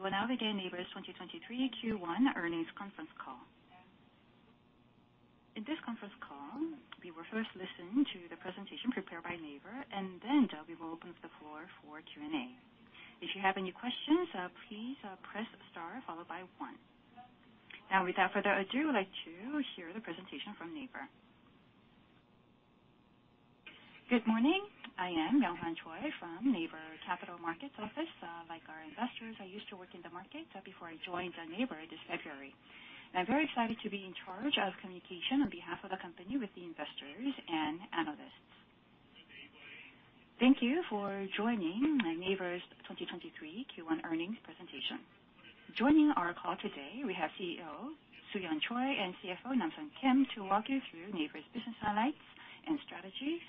Ladies and gentlemen, we will now begin NAVER's 2023 Q1 earnings conference call. In this conference call, we will first listen to the presentation prepared by NAVER, and then we will open the floor for Q&A. If you have any questions, please press Star followed by one. Without further ado, I'd like to hear the presentation from NAVER. Good morning. I am Yonghan Choi from NAVER Capital Markets office. Like our investors, I used to work in the market before I joined NAVER this February. I'm very excited to be in charge of communication on behalf of the company with the investors and analysts. Thank you for joining the NAVER's 2023 Q1 earnings presentation. Joining our call today we have CEO Soo-yeon Choi and CFO Nam-Sun Kim to walk you through NAVER's business highlights and strategies,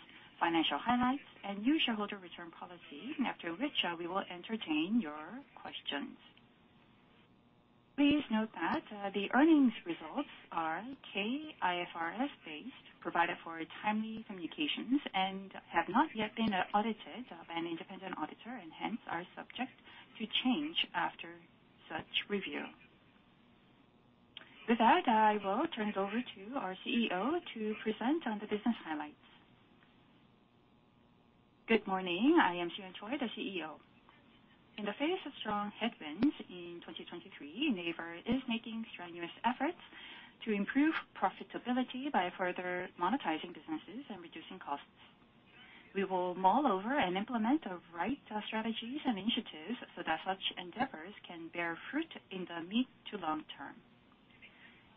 financial highlights and new shareholder return policy. After which, we will entertain your questions. Please note that the earnings results are K-IFRS-based, provided for timely communications, and have not yet been audited by an independent auditor, and hence are subject to change after such review. With that, I will turn it over to our CEO to present on the business highlights. Good morning. I am Soo-yeon Choi, the CEO. In the face of strong headwinds in 2023, NAVER is making strenuous efforts to improve profitability by further monetizing businesses and reducing costs. We will mull over and implement the right strategies and initiatives so that such endeavors can bear fruit in the mid to long term.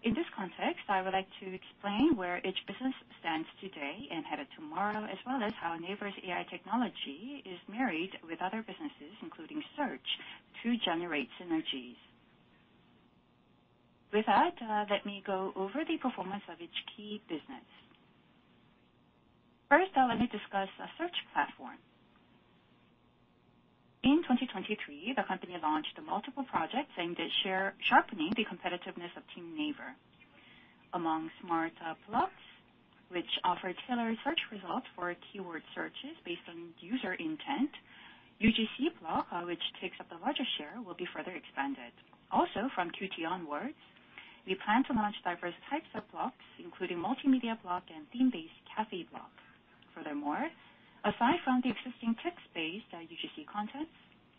In this context, I would like to explain where each business stands today and headed tomorrow, as well as how NAVER's AI technology is married with other businesses, including search, to generate synergies. With that, let me go over the performance of each key business. First, let me discuss the search platform. In 2023, the company launched multiple projects aimed at sharpening the competitiveness of Team NAVER. Among Smart Blocks, which offer tailored search results for keyword searches based on user intent, UGC block, which takes up the largest share, will be further expanded. Also, from Q1 onwards, we plan to launch diverse types of blocks, including multimedia block and theme-based cafe block. Furthermore, aside from the existing text-based, UGC content,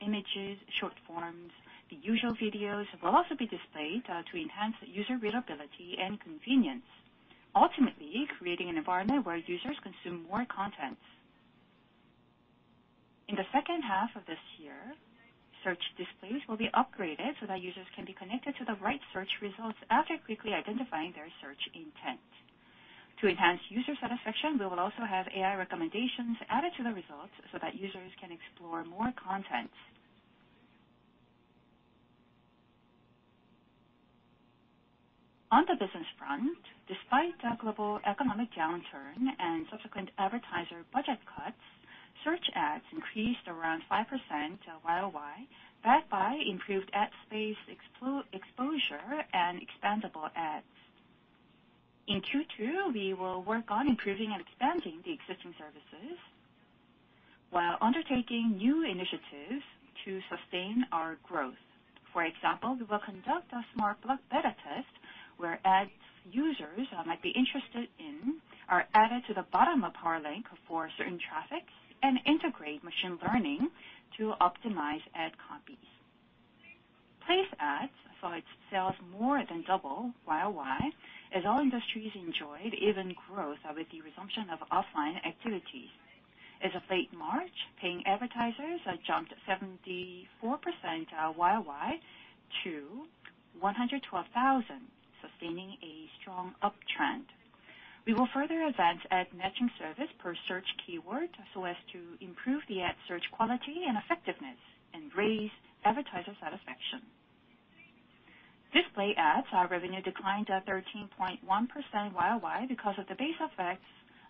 images, short forms, the usual videos will also be displayed to enhance user readability and convenience, ultimately creating an environment where users consume more content. In the second half of this year, search displays will be upgraded so that users can be connected to the right search results after quickly identifying their search intent. To enhance user satisfaction, we will also have AI recommendations added to the results so that users can explore more content. On the business front, despite the global economic downturn and subsequent advertiser budget cuts, search ads increased around 5% YOY, backed by improved ad space exposure and expandable ads. In Q two, we will work on improving and expanding the existing services while undertaking new initiatives to sustain our growth. For example, we will conduct a Smart Block beta test, where ads users might be interested in are added to the bottom of our link for certain traffic and integrate machine learning to optimize ad copies. Place Ads saw its sales more than double YOY, as all industries enjoyed even growth with the resumption of offline activity. As of late March, paying advertisers jumped 74% YOY to 112,000, sustaining a strong uptrend. We will further advance ad matching service per search keyword so as to improve the ad search quality and effectiveness and raise advertiser satisfaction. Display Ads, our revenue declined 13.1% YOY because of the base effects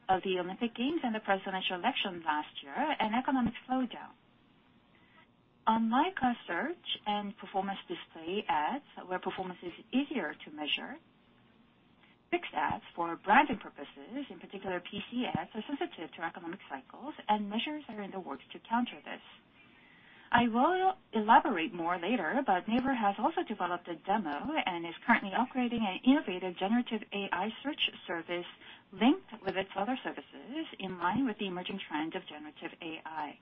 of the Olympic Games and the presidential election last year and economic slowdown. Unlike our search and performance display ads, where performance is easier to measure, fixed ads for branding purposes, in particular PCs, are sensitive to economic cycles and measures are in the works to counter this. I will elaborate more later. NAVER has also developed a demo and is currently operating an innovative generative AI search service linked with its other services in line with the emerging trend of generative AI.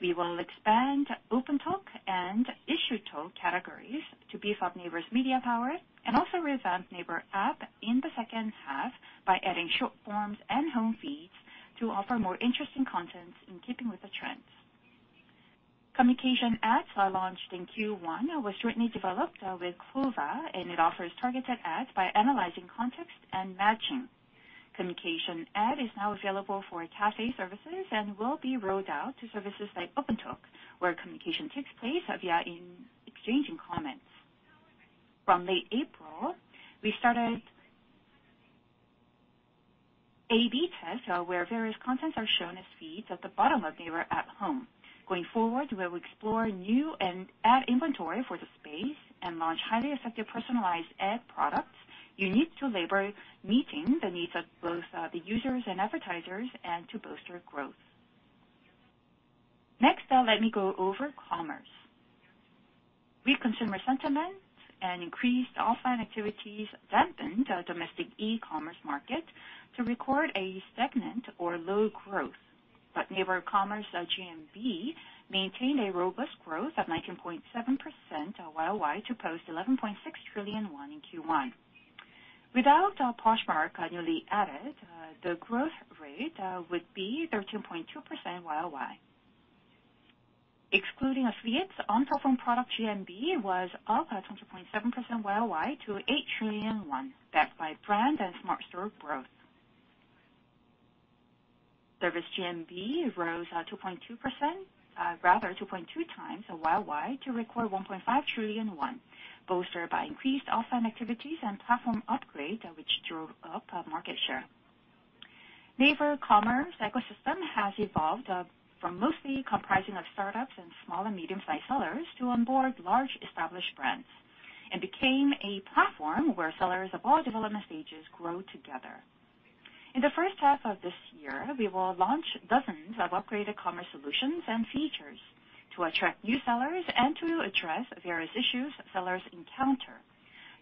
We will expand Open Talk and Issue Talk categories to beef up NAVER's media power and also revamp NAVER app in the second half by adding short forms and home feeds to offer more interesting content in keeping with the trends. Communication ads, launched in Q1, was jointly developed with CLOVA, and it offers targeted ads by analyzing context and matching. Communication ad is now available for cafe services and will be rolled out to services like Open Talk, where communication takes place via in exchanging comments. From late April, we started A/B tests, where various contents are shown as feeds at the bottom of NAVER Home. Going forward, we will explore new and ad inventory for the space and launch highly effective personalized ad products. You need to labor meeting the needs of both the users and advertisers and to boost their growth. Next, let me go over commerce. We consumer sentiments and increased offline activities dampened our domestic e-commerce market to record a stagnant or low growth. NAVER commerce GMV maintained a robust growth of 19.7% YOY to post 11.6 trillion won in Q1. Without Poshmark annually added, the growth rate would be 13.2% YOY. Excluding affiliates on cell phone product GMV was up at 20.7% YOY to 8 trillion won, backed by brand and Smart Store growth. Service GMV rose 2.2 times YOY to record 1.5 trillion won, bolstered by increased offline activities and platform upgrade, which drove up market share. NAVER commerce ecosystem has evolved from mostly comprising of startups and small and medium-sized sellers to onboard large established brands and became a platform where sellers of all development stages grow together. In the first half of this year, we will launch dozens of upgraded commerce solutions and features to attract new sellers and to address various issues sellers encounter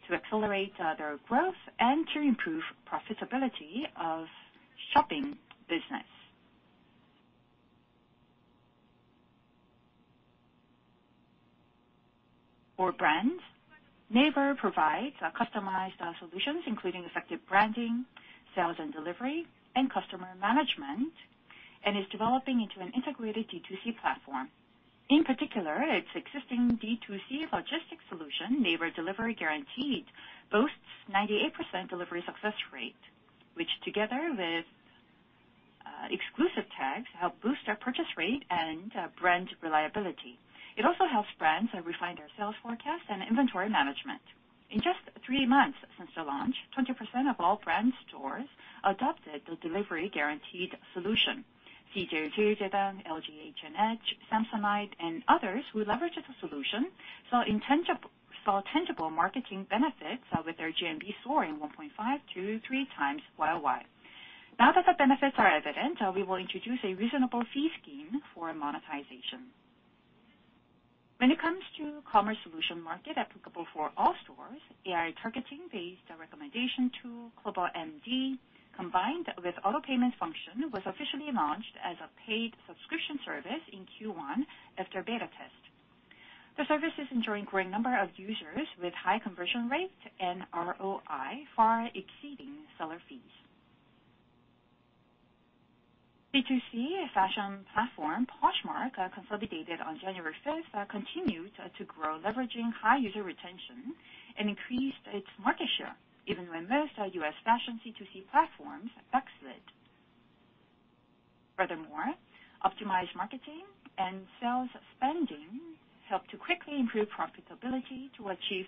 to accelerate their growth and to improve profitability of shopping business. For brands, NAVER provides customized solutions, including effective branding, sales and delivery, and customer management, and is developing into an integrated D2C platform. In particular, its existing D2C logistics solution, NAVER Delivery Guaranteed, boasts 98% delivery success rate, which together with exclusive tags, help boost our purchase rate and brand reliability. It also helps brands refine their sales forecast and inventory management. In just three months since the launch, 20% of all Brand Stores adopted the Delivery Guaranteed solution. CJ, Jijeon, LG H&H, Samsonite, and others who leveraged the solution saw intangible, saw tangible marketing benefits, with their GMV soaring 1.5-3 times YOY. Now that the benefits are evident, we will introduce a reasonable fee scheme for monetization. When it comes to commerce solution market applicable for all stores, AI targeting-based recommendation tool, Global MD, combined with auto-payment function, was officially launched as a paid subscription service in Q1 after beta test. The service is enjoying great number of users with high conversion rate and ROI far exceeding seller fees. B2C fashion platform, Poshmark, consolidated on January 5th, continued to grow leveraging high user retention and increased its market share even when most U.S. fashion C2C platforms exit. Furthermore, optimized marketing and sales spending helped to quickly improve profitability to achieve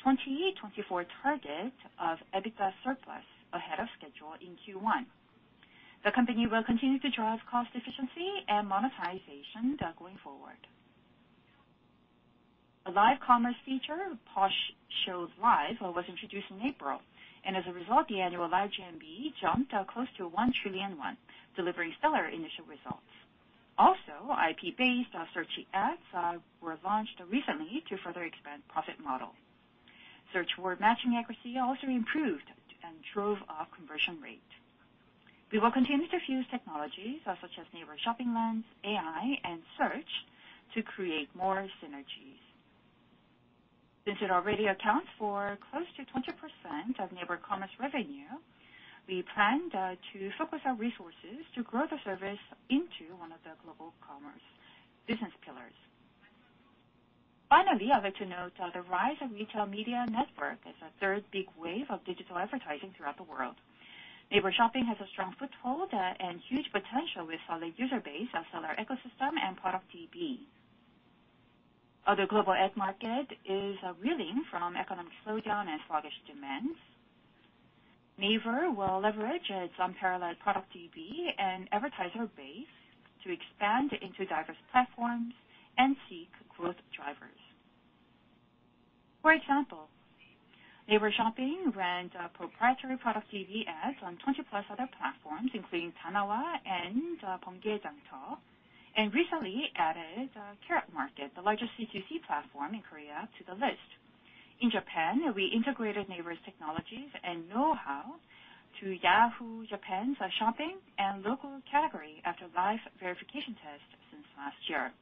2024 target of EBITDA surplus ahead of schedule in Q1. The company will continue to drive cost efficiency and monetization going forward. A live commerce feature, Posh Shows Live, was introduced in April, and as a result, the annual live GMV jumped close to 1 trillion won, delivering stellar initial results. Also, IP-based search ads were launched recently to further expand profit model. Search word matching accuracy also improved and drove our conversion rate. We will continue to fuse technologies such as NAVER Shopping Lens, AI, and search to create more synergies. Since it already accounts for close to 20% of NAVER Commerce revenue, we plan to focus our resources to grow the service into one of the global commerce business pillars. Finally, I'd like to note the rise of retail media network as a third big wave of digital advertising throughout the world. NAVER Shopping has a strong foothold and huge potential with solid user base, a seller ecosystem, and product DB. Other global ad market is reeling from economic slowdown and sluggish demands. NAVER will leverage its unparalleled product DB and advertiser base to expand into diverse platforms and seek growth drivers. For example, NAVER Shopping ran proprietary product DB ads on 20+ other platforms, including Danawa and Bungaejangter, and recently added Carrot Market, the largest C2C platform in Korea, to the list. In Japan, we integrated NAVER's technologies and know-how to Yahoo! Japan's shopping and local category after live verification test since last year.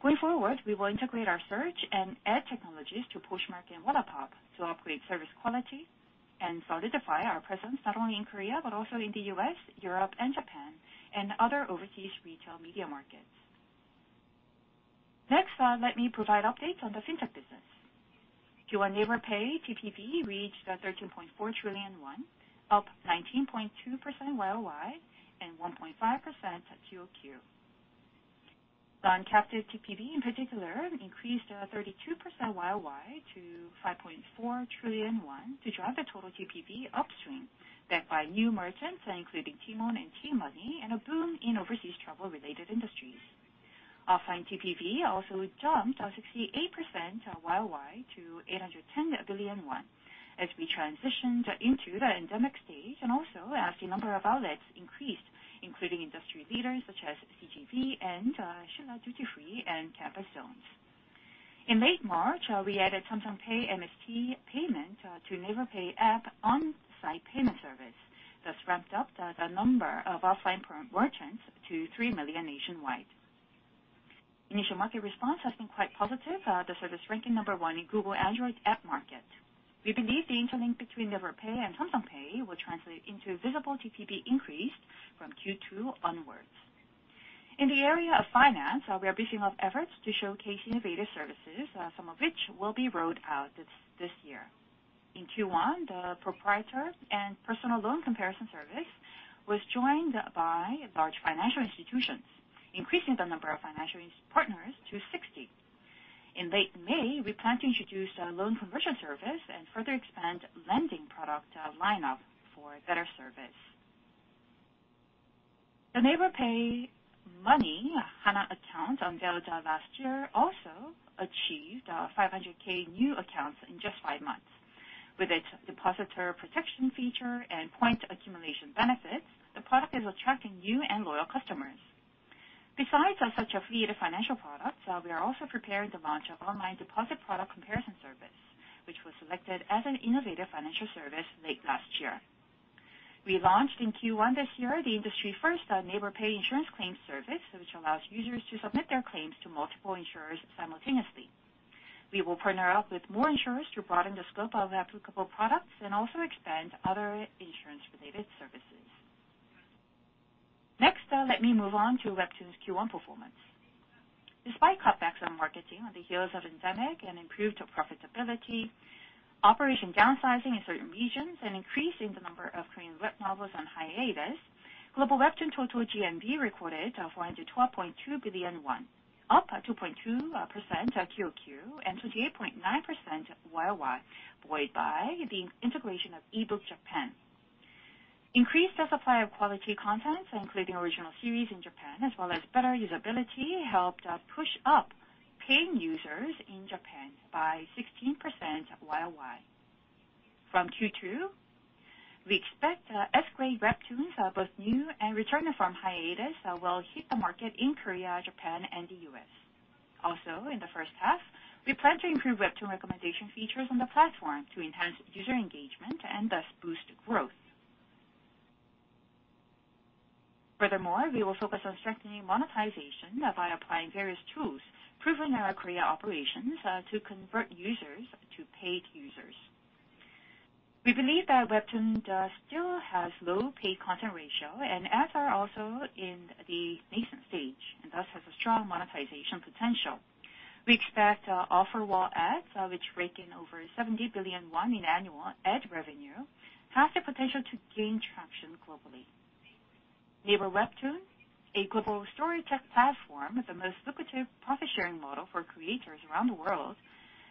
Going forward, we will integrate our search and ad technologies to Poshmark and Wallapop to upgrade service quality and solidify our presence not only in Korea, but also in the U.S., Europe and Japan, and other overseas retail media markets. Next, let me provide updates on the Fintech business. Q1 NAVER Pay TPV reached 13.4 trillion won, up 19.2% YOY and 1.5% at QOQ. Non-captive TPV, in particular, increased 32% YOY to 5.4 trillion won to drive the total TPV upswing backed by new merchants, including TMON and T-money, and a boom in overseas travel-related industries. Offline TPV also jumped 68% year-over-year to 810 billion won as we transitioned into the endemic stage and also as the number of outlets increased, including industry leaders such as CGV and The Shilla Duty Free and campus zones. In late March, we added Samsung Pay MST payment to NAVER Pay app on-site payment service, thus ramped up the number of offline current merchants to 3 million nationwide. Initial market response has been quite positive. The service ranking number one in Google Android app market. We believe the interlink between NAVER Pay and Samsung Pay will translate into visible TPV increase from Q2 onwards. In the area of finance, we are boosting up efforts to showcase innovative services, some of which will be rolled out this year. In Q1, the proprietor and personal loan comparison service was joined by large financial institutions, increasing the number of financial partners to 60. In late May, we plan to introduce a loan conversion service and further expand lending product lineup for better service. The NAVER Pay Money Hana Account on beta last year also achieved 500K new accounts in just five months. With its depositor protection feature and point accumulation benefits, the product is attracting new and loyal customers. Besides such a fee to financial products, we are also preparing to launch an online deposit product comparison service, which was selected as an innovative financial service late last year. We launched in Q1 this year, the industry-first NAVER Pay Claims service, which allows users to submit their claims to multiple insurers simultaneously. We will partner up with more insurers to broaden the scope of applicable products and also expand other insurance related services. Let me move on to WEBTOON's Q1 performance. Despite cutbacks on marketing on the heels of endemic and improved profitability, operation downsizing in certain regions, and increase in the number of Korean web novels on hiatus, global WEBTOON total GMV recorded 412.2 billion won, up 2.2% QOQ and 28.9% year-over-year buoyed by the integration of ebookjapan. Increased the supply of quality content, including original series in Japan, as well as better usability, helped push up paying users in Japan by 16% year-over-year. From Q2, we expect S-grade WEBTOONs, both new and returning from hiatus, will hit the market in Korea, Japan, and the U.S. Also, in the first half, we plan to improve WEBTOON recommendation features on the platform to enhance user engagement and thus boost growth. Furthermore, we will focus on strengthening monetization by applying various tools proven in our Korea operations to convert users to paid users. We believe that WEBTOON still has low paid content ratio and ads are also in the nascent stage and thus has a strong monetization potential. We expect, offer wall ads, which rake in over 70 billion won in annual ad revenue, has the potential to gain traction globally. NAVER WEBTOON, a global story tech platform with the most lucrative profit-sharing model for creators around the world,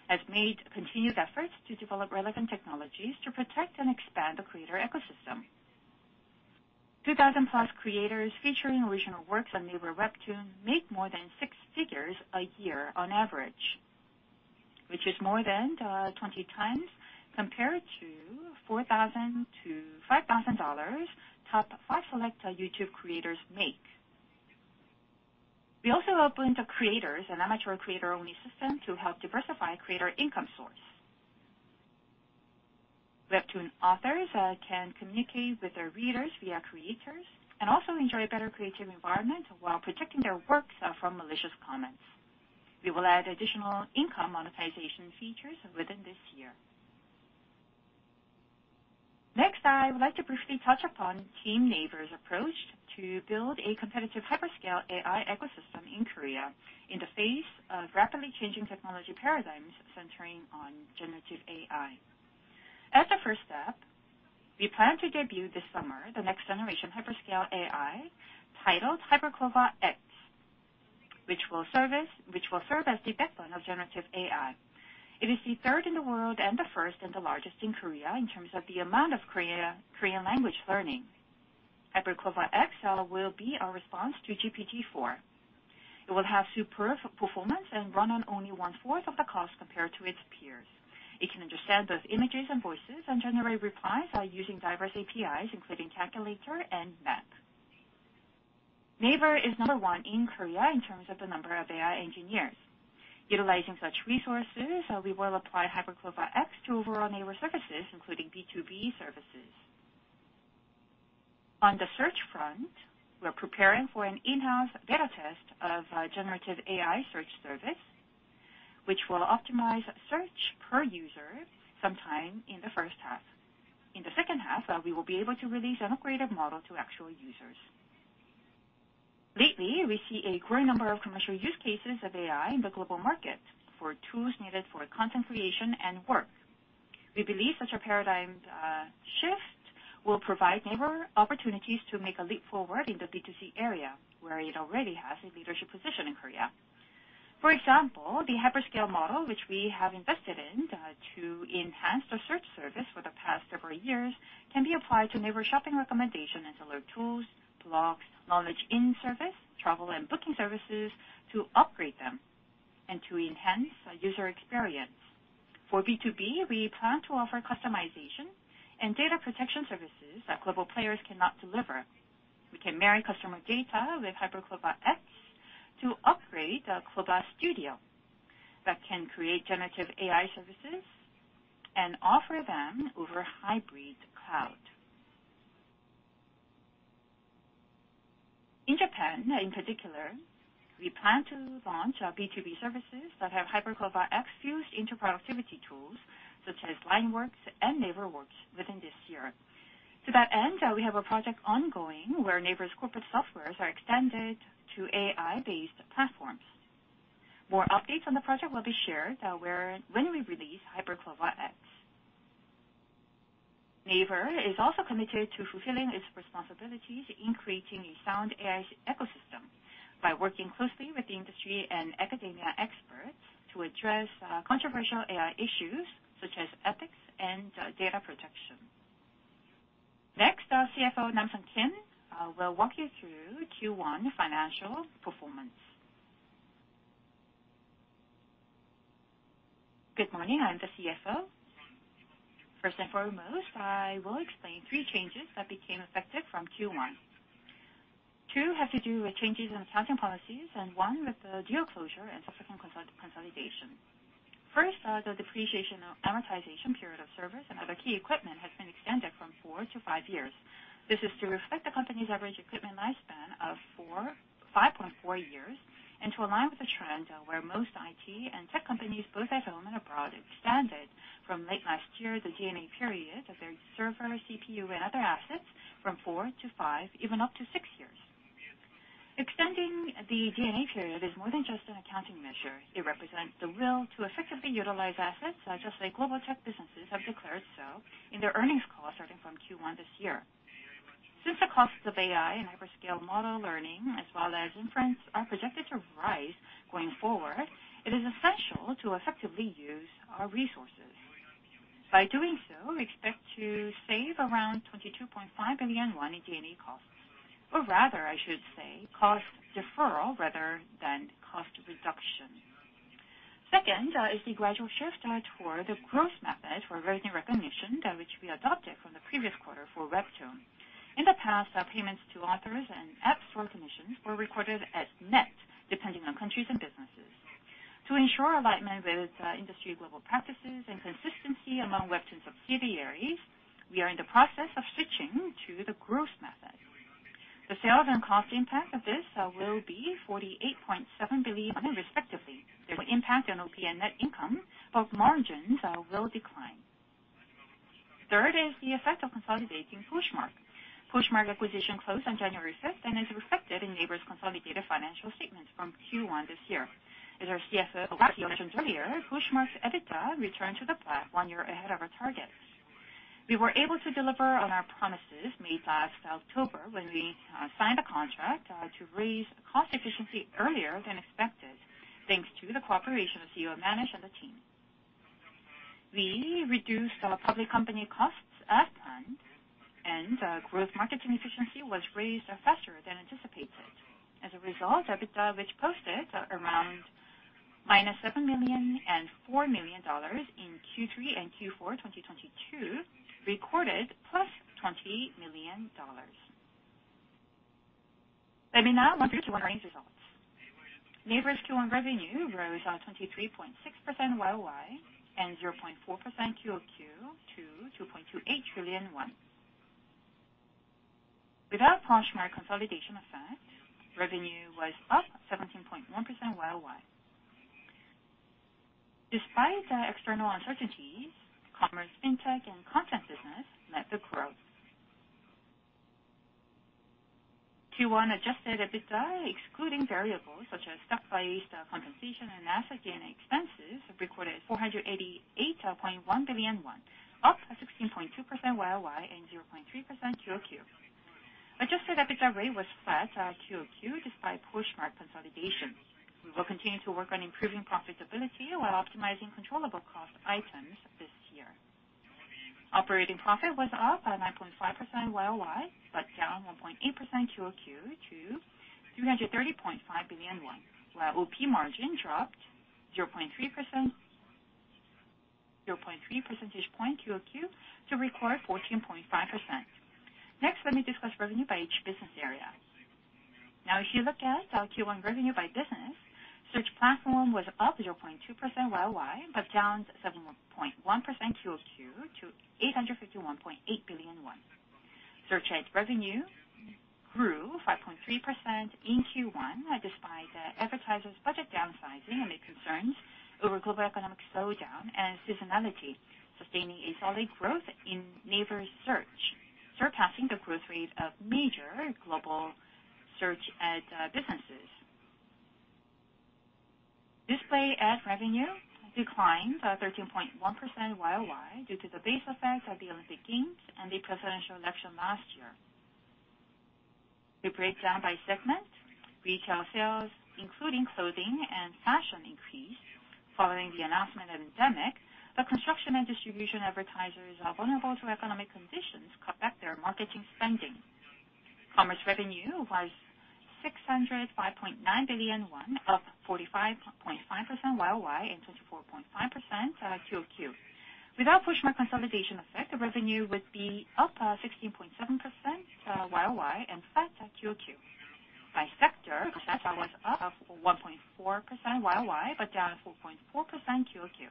has made continued efforts to develop relevant technologies to protect and expand the creator ecosystem. 2,000+ creators featuring original works on NAVER WEBTOON make more than 6 figures a year on average, which is more than 20 times compared to $4,000-$5,000 top 5 select YouTube creators make. We also opened the Creators, an amateur creator-only system, to help diversify creator income source. WEBTOON authors can communicate with their readers via Creators and also enjoy a better creative environment while protecting their works from malicious comments. We will add additional income monetization features within this year. Next, I would like to briefly touch upon Team NAVER's approach to build a competitive hyperscale AI ecosystem in Korea in the face of rapidly changing technology paradigms centering on generative AI. As a first step, we plan to debut this summer the next generation hyperscale AI titled HyperCLOVA X, which will serve as the backbone of generative AI. It is the third in the world and the first and the largest in Korea in terms of the amount of Korean language learning. HyperCLOVA X will be our response to GPT-4. It will have superb performance and run on only one-fourth of the cost compared to its peers. It can understand both images and voices and generate replies by using diverse APIs, including calculator and map. NAVER is number 1 in Korea in terms of the number of AI engineers. Utilizing such resources, we will apply HyperCLOVA X to overall NAVER services, including B2B services. On the search front, we're preparing for an in-house beta test of a generative AI search service, which will optimize search per user sometime in the first half. In the second half, we will be able to release an upgraded model to actual users. Lately, we see a growing number of commercial use cases of AI in the global market for tools needed for content creation and work. We believe such a paradigm shift will provide NAVER opportunities to make a leap forward in the B2C area, where it already has a leadership position in Korea. For example, the hyperscale model which we have invested in to enhance the search service for the past several years, can be applied to NAVER Shopping recommendation and seller tools, blogs, Knowledge iN service, travel and booking services to upgrade them and to enhance user experience. B2B, we plan to offer customization and data protection services that global players cannot deliver. We can marry customer data with HyperCLOVA X to upgrade CLOVA Studio that can create generative AI services and offer them over hybrid cloud. In Japan, in particular, we plan to launch our B2B services that have HyperCLOVA X fused into productivity tools such as LINE WORKS and NAVER Works within this year. To that end, we have a project ongoing where NAVER's corporate softwares are extended to AI-based platforms. More updates on the project will be shared when we release HyperCLOVA X. NAVER is also committed to fulfilling its responsibilities in creating a sound AI ecosystem by working closely with industry and academia experts to address controversial AI issues such as ethics and data protection. Next, our CFO, Nam-Sun Kim, will walk you through Q1 financial performance. Good morning. I'm the CFO. First and foremost, I will explain three changes that became effective from Q1. Two have to do with changes in accounting policies and one with the deal closure and subsequent consolidation. First, the depreciation amortization period of servers and other key equipment has been extended from 4 to 5 years. This is to reflect the company's average equipment lifespan of 5.4 years and to align with the trend where most IT and tech companies, both at home and abroad, extended from late last year the D&A period of their server, CPU, and other assets from 4 to 5, even up to six years. Extending the D&A period is more than just an accounting measure. It represents the will to effectively utilize assets such as the global tech businesses have declared so in their earnings call starting from Q1 this year. Since the costs of AI and hyperscale model learning as well as inference are projected to rise going forward, it is essential to effectively use our resources. By so doing, we expect to save around KRW 22.5 billion in D&A costs, or rather, I should say cost deferral rather than cost reduction. Second, is the gradual shift toward the growth method for revenue recognition, which we adopted from the previous quarter for WEBTOON. In the past, our payments to authors and app store commissions were recorded as net, depending on countries and businesses. To ensure alignment with industry global practices and consistency among WEBTOON subsidiaries, we are in the process of switching to the growth method. The sales and cost impact of this will be 48.7 billion respectively. There's an impact on OP and net income, both margins will decline. Third is the effect of consolidating Poshmark. Poshmark acquisition closed on January 5th and is reflected in NAVER's consolidated financial statements from Q1 this year. As our CFO, here mentioned earlier, Poshmark's EBITDA returned to the black one year ahead of our targets. We were able to deliver on our promises made last October when we signed a contract to raise cost efficiency earlier than expected, thanks to the cooperation of CEO Manish and the team. We reduced our public company costs as planned. Growth marketing efficiency was raised faster than anticipated. As a result, EBITDA, which posted around -$7 million and $4 million in Q3 and Q4 2022, recorded +$20 million. Let me now walk you through our earnings results. NAVER's Q1 revenue rose 23.6% YOY and 0.4% QOQ to 2.28 trillion. Without Poshmark consolidation effect, revenue was up 17.1% YOY. Despite the external uncertainties, commerce, fintech, and content business led the growth. Q1 Adjusted EBITDA, excluding variables such as stock-based compensation and asset GNA expenses, recorded 488.1 billion won, up 16.2% YOY and 0.3% QOQ. Adjusted EBITDA rate was flat QOQ despite Poshmark consolidation. We will continue to work on improving profitability while optimizing controllable cost items this year. Operating profit was up by 9.5% YOY, but down 1.8% QOQ to 330.5 billion won, while OP margin dropped 0.3 percentage point QOQ to record 14.5%. Next, let me discuss revenue by each business area. If you look at our Q1 revenue by business, search platform was up 0.2% YOY, but down 7.1% QOQ to 851.8 billion won. Search ad revenue grew 5.3% in Q1, despite advertisers budget downsizing amid concerns over global economic slowdown and seasonality, sustaining a solid growth in NAVER search, surpassing the growth rate of major global search ad businesses. Display ad revenue declined 13.1% YOY due to the base effect of the Olympic Games and the presidential election last year. We break down by segment. Retail sales, including clothing and fashion, increased following the announcement of endemic, but construction and distribution advertisers are vulnerable to economic conditions cut back their marketing spending. Commerce revenue was 605.9 billion won, up 45.5% YOY and 24.5% QoQ. Without Poshmark consolidation effect, the revenue would be up 16.7% YOY and flat at QoQ. By sector, platform was up 1.4% YOY but down 4.4% QoQ.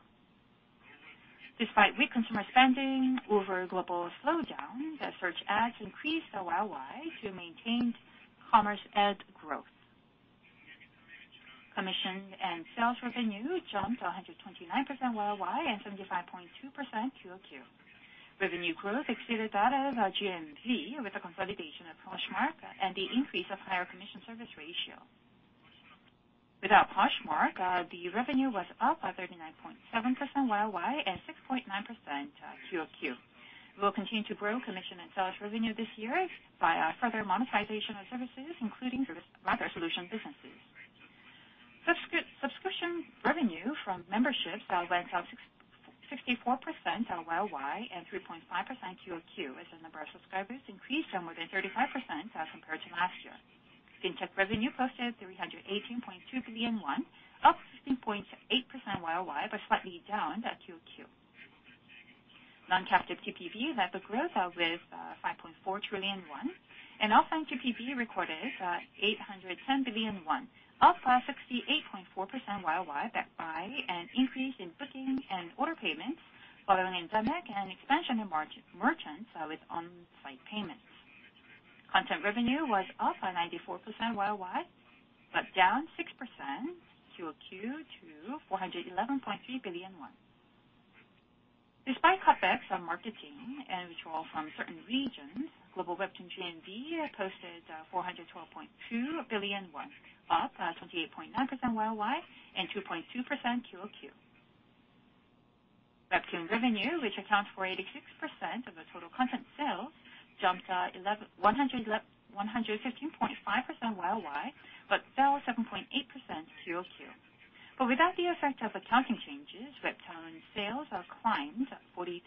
Despite weak consumer spending over global slowdown, the search ads increased YOY to maintain commerce ad growth. Commission and sales revenue jumped 129% YOY and 75.2% QoQ. Revenue growth exceeded that of our GMV with the consolidation of Poshmark and the increase of higher commission service ratio. Without Poshmark, the revenue was up 39.7% YOY and 6.9% QoQ. We will continue to grow commission and sales revenue this year by further monetization of services, including solution businesses. Subscription revenue from memberships went up 64% YOY and 3.5% QoQ as the number of subscribers increased more than 35% compared to last year. Fintech revenue posted 318.2 billion won, up 16.8% YOY, but slightly down at QoQ. Non-capped TPV led the growth with 5.4 trillion won, and offline TPV recorded 810 billion won, up 68.4% YOY backed by an increase in booking and order payments following endemic and expansion in merchants with on-site payments. Content revenue was up 94% YOY, but down 6% QoQ to 411.3 billion. Despite cutbacks on marketing and withdrawal from certain regions, global WEBTOON GMV posted 412.2 billion, up 28.9% YOY and 2.2% QoQ. WEBTOON revenue, which accounts for 86% of the total content sales, jumped 115.5% YOY, but fell 7.8% QoQ. Without the effect of accounting changes, WEBTOON sales climbed 43%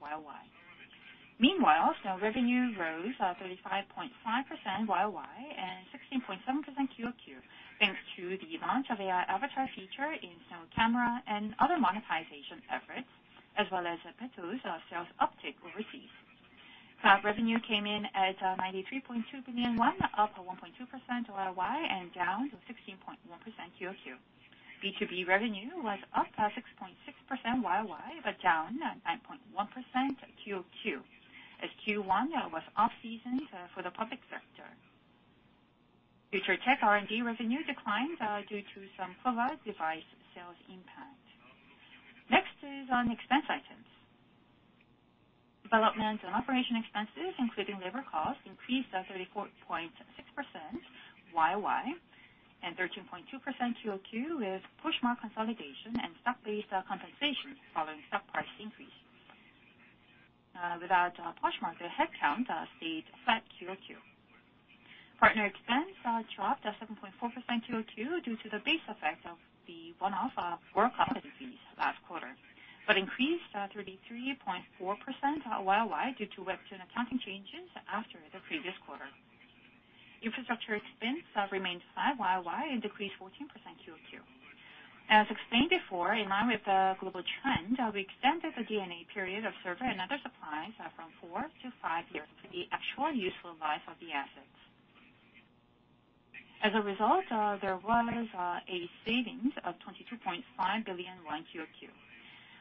YOY. Meanwhile, Snow revenue rose 35.5% YOY and 16.7% QoQ, thanks to the launch of AI avatar feature in Snow camera and other monetization efforts, as well as Plato's sales uptick overseas. Cloud revenue came in at 93.2 billion won, up 1.2% YOY and down 16.1% QoQ. B2B revenue was up 6.6% YOY but down 9.1% QoQ, as Q1 was off-season for the public sector. Future tech R&D revenue declined due to some product device sales impact. Next is on expense items. Development and operation expenses, including labor costs, increased 34.6% YOY and 13.2% QoQ with Poshmark consolidation and stock-based compensation following stock price increase. Without Poshmark, the headcount stayed flat QoQ. Partner expense dropped 7.4% QoQ due to the base effect of the one-off World Cup fees last quarter, but increased 33.4% YOY due to WEBTOON accounting changes after the previous quarter. Infrastructure expense remained flat YOY and decreased 14% QoQ. As explained before, in line with the global trend, we extended the D&A period of server and other supplies from four to five years for the actual useful life of the assets. As a result, there was a savings of 22.5 billion QoQ.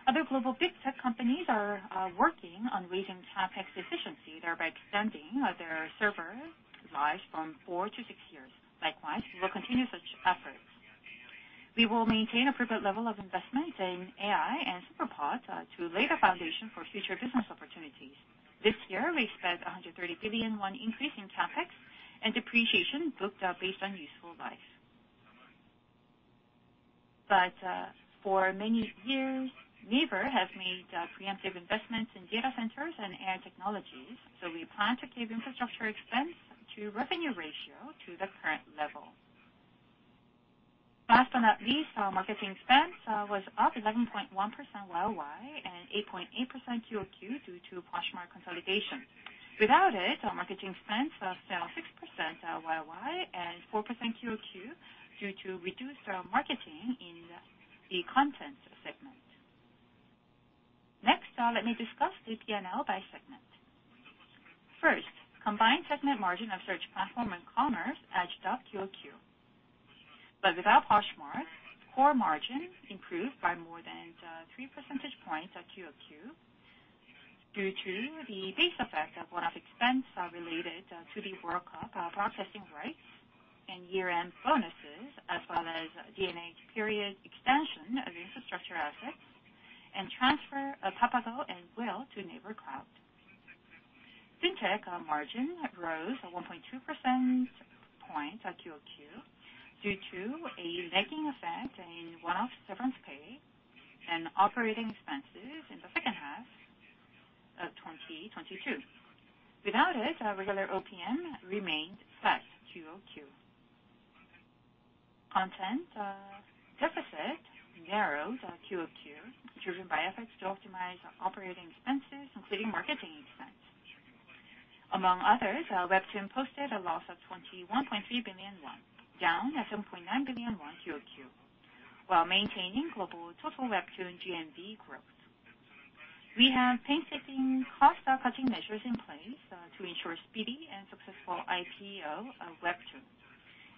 Other global big tech companies are working on raising CapEx efficiency, thereby extending their server life from 4 to 6 years. Likewise, we will continue such efforts. We will maintain appropriate level of investment in AI and Superapp to lay the foundation for future business opportunities. This year, we expect a 130 billion increase in CapEx and depreciation booked based on useful life. For many years, NAVER has made preemptive investments in data centers and AI technologies, so we plan to keep infrastructure expense to revenue ratio to the current level. Last but not least, our marketing expense was up 11.1% YOY and 8.8% QoQ due to Poshmark consolidation. Without it, our marketing expense fell 6% YOY and 4% QoQ due to reduced marketing in the content segment. Next, let me discuss the P&L by segment. First, combined segment margin of search platform and commerce edged up QoQ. Without Poshmark, core margin improved by more than 3 percentage points at QoQ due to the base effect of one-off expense related to the World Cup broadcasting rights and year-end bonuses, as well as D&A period expansion of infrastructure assets and transfer of Papago and Whale to NAVER Cloud. Fintech margin rose 1.2%. Due to a making effect in one-off severance pay and operating expenses in the second half of 2022. Without it, our regular OPM remained flat QoQ. Content deficit narrowed QoQ, driven by efforts to optimize operating expenses, including marketing expense. Among others, our WEBTOON posted a loss of 21.3 billion won, down at 7.9 billion won QOQ, while maintaining global total WEBTOON GMV growth. We have painstaking cost-cutting measures in place to ensure speedy and successful IPO of WEBTOON,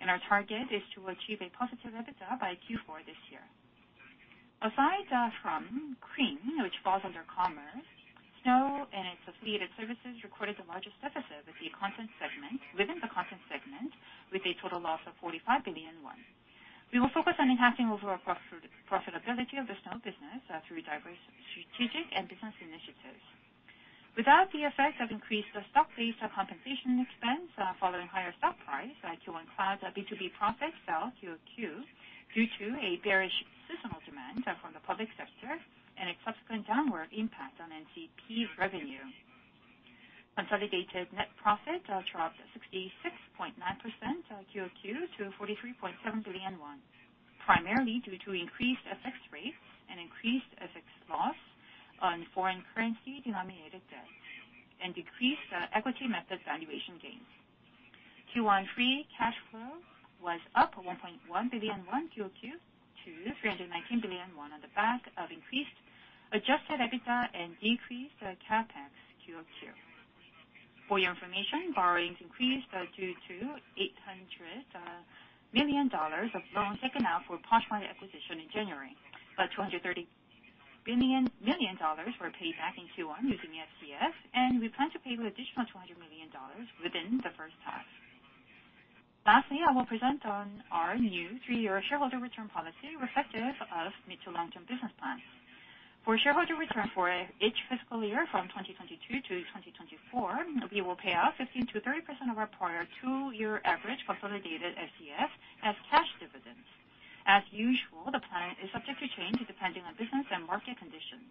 and our target is to achieve a positive EBITDA by Q4 this year. From KREAM, which falls under commerce, Snow and its affiliated services recorded the largest deficit within the content segment, with a total loss of 45 billion won. We will focus on enhancing overall profitability of the Snow business through diverse strategic and business initiatives. Without the effects of increased stock-based compensation expense following higher stock price, our Q1 cloud B2B profit fell QOQ due to a bearish seasonal demand from the public sector and a subsequent downward impact on NCP revenue. Consolidated net profit dropped 66.9% QOQ to 43.7 billion won, primarily due to increased FX rates and increased FX loss on foreign currency-denominated debt and decreased equity method valuation gains. Q1 free cash flow was up 1.1 billion won QOQ to 319 billion won on the back of increased Adjusted EBITDA and decreased CapEx QOQ. For your information, borrowings increased due to $800 million of loans taken out for Poshmark acquisition in January. $230 million were paid back in Q1 using the FCF, and we plan to pay the additional $200 million within the first half. Lastly, I will present on our new three-year shareholder return policy reflective of mid to long-term business plans. For shareholder return for each fiscal year from 2022 to 2024, we will pay out 15%-30% of our prior two-year average consolidated FCF as cash dividends. As usual, the plan is subject to change depending on business and market conditions.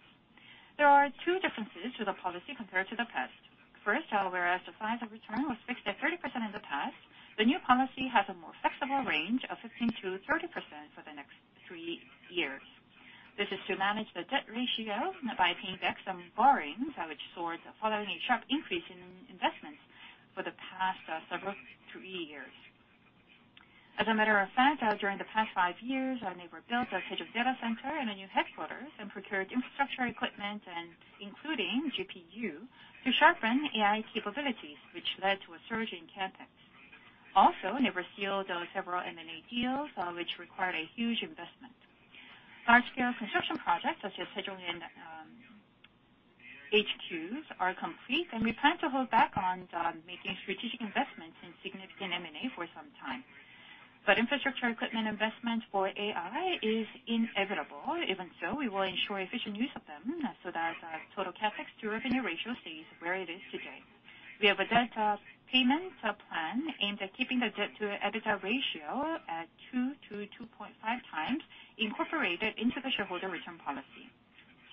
There are two differences to the policy compared to the past. First, whereas the size of return was fixed at 30% in the past, the new policy has a more flexible range of 15%-30% for the next three years. This is to manage the debt ratio by paying back some borrowings, which soared following a sharp increase in investments for the past several three years. As a matter of fact, during the past five years, our NAVER built a Paju data center and a new headquarters and procured infrastructure equipment and including GPU to sharpen AI capabilities, which led to a surge in CapEx. Also, NAVER sealed several M&A deals which required a huge investment. Large-scale construction projects such as Paju and HQs are complete, and we plan to hold back on making strategic investments in significant M&A for some time. Infrastructure equipment investment for AI is inevitable. Even so, we will ensure efficient use of them so that total CapEx to revenue ratio stays where it is today. We have a debt payment plan aimed at keeping the debt to EBITDA ratio at 2-2.5 times incorporated into the shareholder return policy.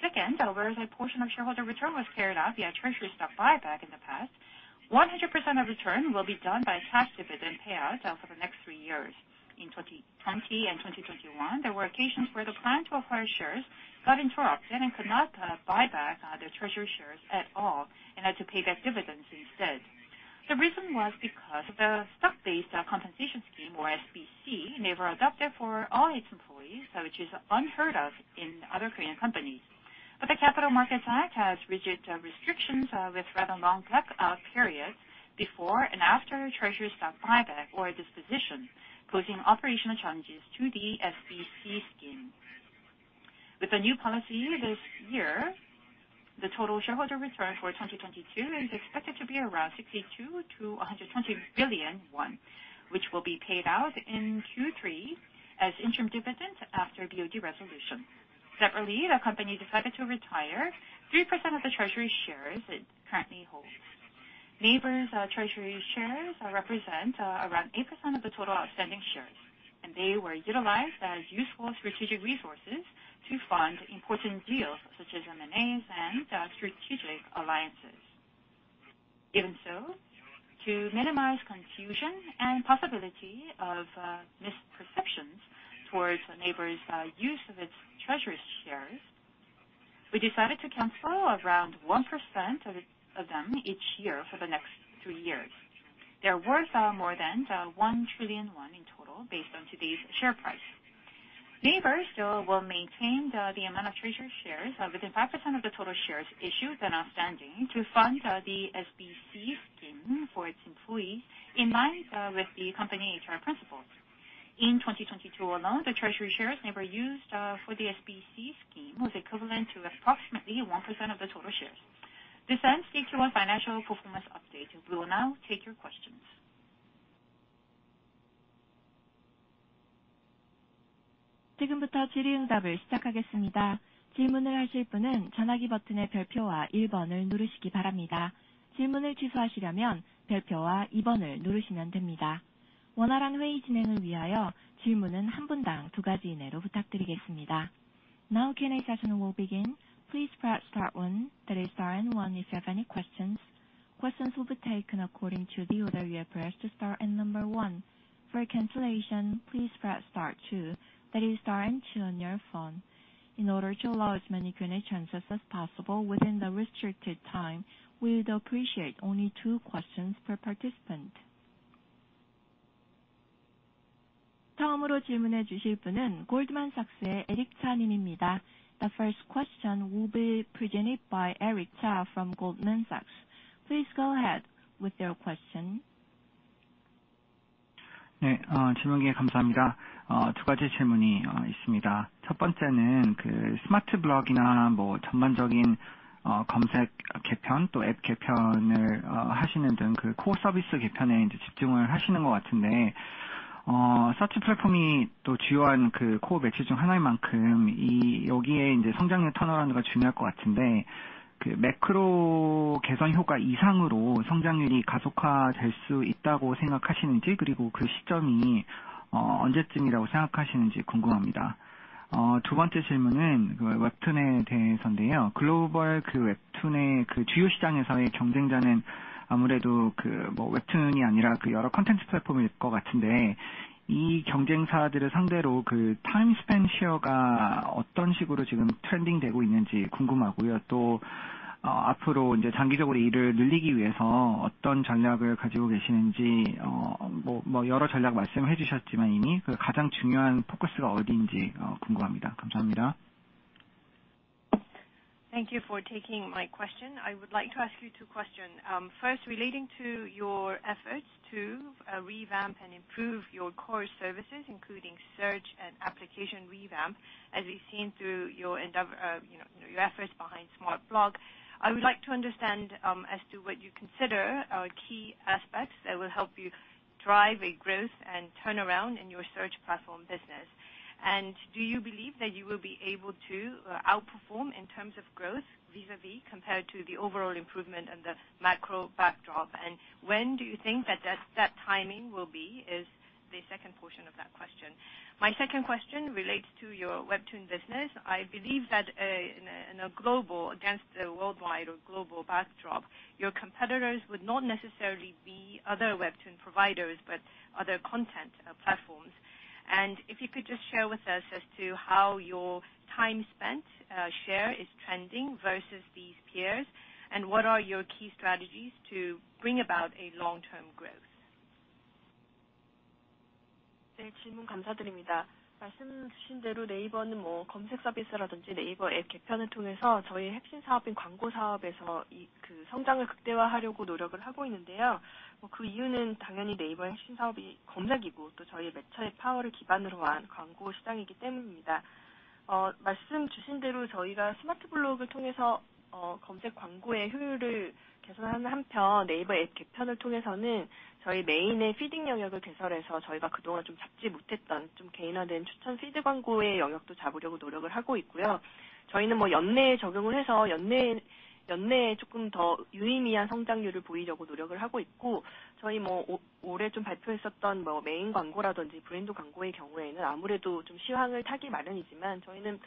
Second, whereas a portion of shareholder return was carried out via treasury stock buyback in the past, 100% of return will be done by cash dividend payout for the next three years. In 2020 and 2021, there were occasions where the plan to acquire shares got interrupted and could not buy back the treasury shares at all and had to pay back dividends instead. The reason was because the stock-based compensation scheme, or SBC, NAVER adopted for all its employees, which is unheard of in other Korean companies. The Capital Markets Act has rigid restrictions with rather long lock-out periods before and after treasury stock buyback or disposition, posing operational challenges to the SBC scheme. With the new policy this year, the total shareholder return for 2022 is expected to be around 62 billion-120 billion won, which will be paid out in Q3 as interim dividends after BOD resolution. Separately, the company decided to retire 3% of the treasury shares it currently holds. NAVER's treasury shares represent around 8% of the total outstanding shares, they were utilized as useful strategic resources to fund important deals such as M&As and strategic alliances. Even so, to minimize confusion and possibility of misperceptions towards NAVER's use of its treasury shares, we decided to cancel around 1% of them each year for the next two years. They're worth more than 1 trillion won in total based on today's share price. NAVER still will maintain the amount of treasury shares of within 5% of the total shares issued and outstanding to fund the SBC scheme for its employees in line with the company HR principles. In 2022 alone, the treasury shares NAVER used for the SBC scheme was equivalent to approximately 1% of the total shares. This ends Q1 financial performance update. We will now take your questions. 지금부터 질의응답을 시작하겠습니다. 질문을 하실 분은 전화기 버튼의 별표와 일번을 누르시기 바랍니다. 질문을 취소하시려면 별표와 이번을 누르시면 됩니다. 원활한 회의 진행을 위하여 질문은 한 분당 두 가지 이내로 부탁드리겠습니다. Now Q&A session will begin. Please press star 1, that is star and 1 if you have any questions. Questions will be taken according to the order you have pressed star and number 1. For cancellation, please press star 2, that is star and 2 on your phone. In order to allow as many Q&A chances as possible within the restricted time, we would appreciate only 2 questions per participant. 처음으로 질문해 주실 분은 골드만삭스의 에릭 차 님입니다. The first question will be presented by Eric Cha from Goldman Sachs. Please go ahead with your question. 질문 감사합니다. 두 가지 질문이 있습니다. 첫 번째는 그 Smart Blocks이나 뭐 전반적인 검색 개편 또앱 개편을 하시는 등그 코어 서비스 개편에 이제 집중을 하시는 것 같은데, 서치 플랫폼이 또 주요한 그 코어 매치 중 하나인 만큼 이 여기에 이제 성장률을 터널하는 수가 중요할 것 같은데, 그 매크로 개선 효과 이상으로 성장률이 가속화될 수 있다고 생각하시는지, 그리고 그 시점이 언제쯤이라고 생각하시는지 궁금합니다. 두 번째 질문은 그 WEBTOON에 대해서인데요. 글로벌 그 WEBTOON의 그 주요 시장에서의 경쟁자는 아무래도 그, 뭐 WEBTOON이 아니라 그 여러 콘텐츠 플랫폼일 것 같은데, 이 경쟁사들을 상대로 그 타임 스펜드 쉐어가 어떤 식으로 지금 트렌딩되고 있는지 궁금하고요. 앞으로 이제 장기적으로 이를 늘리기 위해서 어떤 전략을 가지고 계시는지. 여러 전략 말씀해 주셨지만 이미, 그 가장 중요한 포커스가 어디인지 궁금합니다. 감사합니다. Thank you for taking my question. I would like to ask you two question. First, relating to your efforts to revamp and improve your core services, including search and application revamp, as we've seen through your you know, your efforts behind Smart Blocks. I would like to understand as to what you consider key aspects that will help you drive a growth and turnaround in your search platform business. Do you believe that you will be able to outperform in terms of growth vis-a-vis compared to the overall improvement in the macro backdrop? When do you think that timing will be, is the second portion of that question. My second question relates to your WEBTOON business. I believe that, in a, in a global, against the worldwide or global backdrop, your competitors would not necessarily be other WEBTOON providers, but other content, platforms. If you could just share with us as to how your time spent, share is trending versus these peers, and what are your key strategies to bring about a long-term growth? 네, 질문 감사드립니다. 말씀 주신 대로 NAVER는 검색 서비스라든지 NAVER app 개편을 통해서 저희의 핵심 사업인 광고 사업에서 성장을 극대화하려고 노력을 하고 있는데요. 그 이유는 당연히 NAVER의 핵심 사업이 검색이고, 또 저희의 매체의 파워를 기반으로 한 광고 시장이기 때문입니다. 말씀 주신 대로 저희가 Smart Blocks를 통해서 검색 광고의 효율을 개선하는 한편, NAVER app 개편을 통해서는 저희 NAVER Home 영역을 개설해서 저희가 그동안 좀 잡지 못했던 좀 개인화된 추천 피드 광고의 영역도 잡으려고 노력을 하고 있고요. 저희는 연내에 적용을 해서 연내에 조금 더 유의미한 성장률을 보이려고 노력을 하고 있고, 저희 올해 좀 발표했었던 메인 광고라든지 브랜드 광고의 경우에는 아무래도 좀 실황을 타기 마련이지만 저희는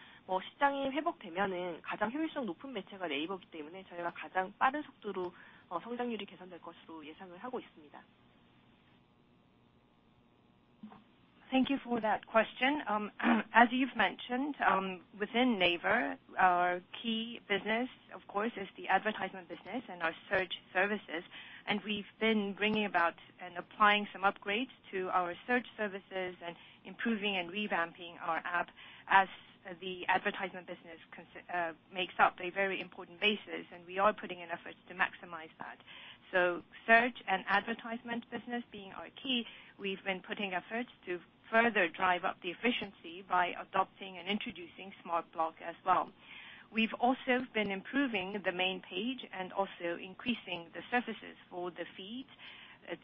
시장이 회복되면은 가장 효율성 높은 매체가 NAVER이기 때문에 저희가 가장 빠른 속도로 성장률이 개선될 것으로 예상을 하고 있습니다. Thank you for that question. As you've mentioned, within NAVER, our key business, of course, is the advertisement business and our search services. We've been bringing about and applying some upgrades to our search services and improving and revamping our app as the advertisement business makes up a very important basis. We are putting in efforts to maximize that. Search and advertisement business being our key, we've been putting efforts to further drive up the efficiency by adopting and introducing Smart Blocks as well. We've also been improving the main page and also increasing the surfaces for the feed.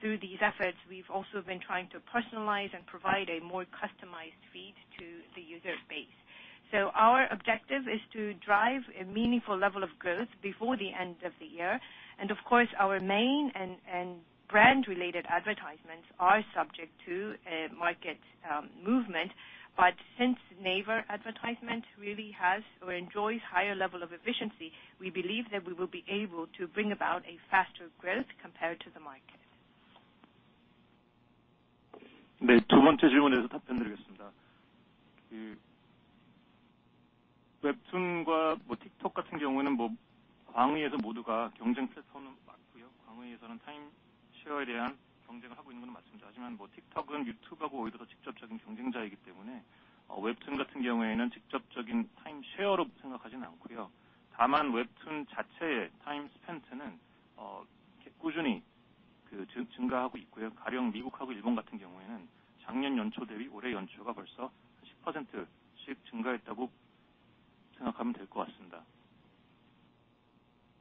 Through these efforts, we've also been trying to personalize and provide a more customized feed to the user base. Our objective is to drive a meaningful level of growth before the end of the year. Of course, our main and brand-related advertisements are subject to market movement. Since NAVER advertisement really has or enjoys higher level of efficiency, we believe that we will be able to bring about a faster growth compared to the market. 두 번째 질문에서 답변드리겠습니다. 그 WEBTOON과 TikTok 같은 경우에는 광의에서 모두가 경쟁 플랫폼은 맞고요. 광의에서는 time share에 대한 경쟁을 하고 있는 건 맞습니다. TikTok은 YouTube하고 오히려 더 직접적인 경쟁자이기 때문에, WEBTOON 같은 경우에는 직접적인 time share로 생각하지는 않고요. 다만 WEBTOON 자체의 time spent는 꾸준히 증가하고 있고요. 가령 미국하고 일본 같은 경우에는 작년 연초 대비 올해 연초가 벌써 10%씩 증가했다고 생각하면 될것 같습니다.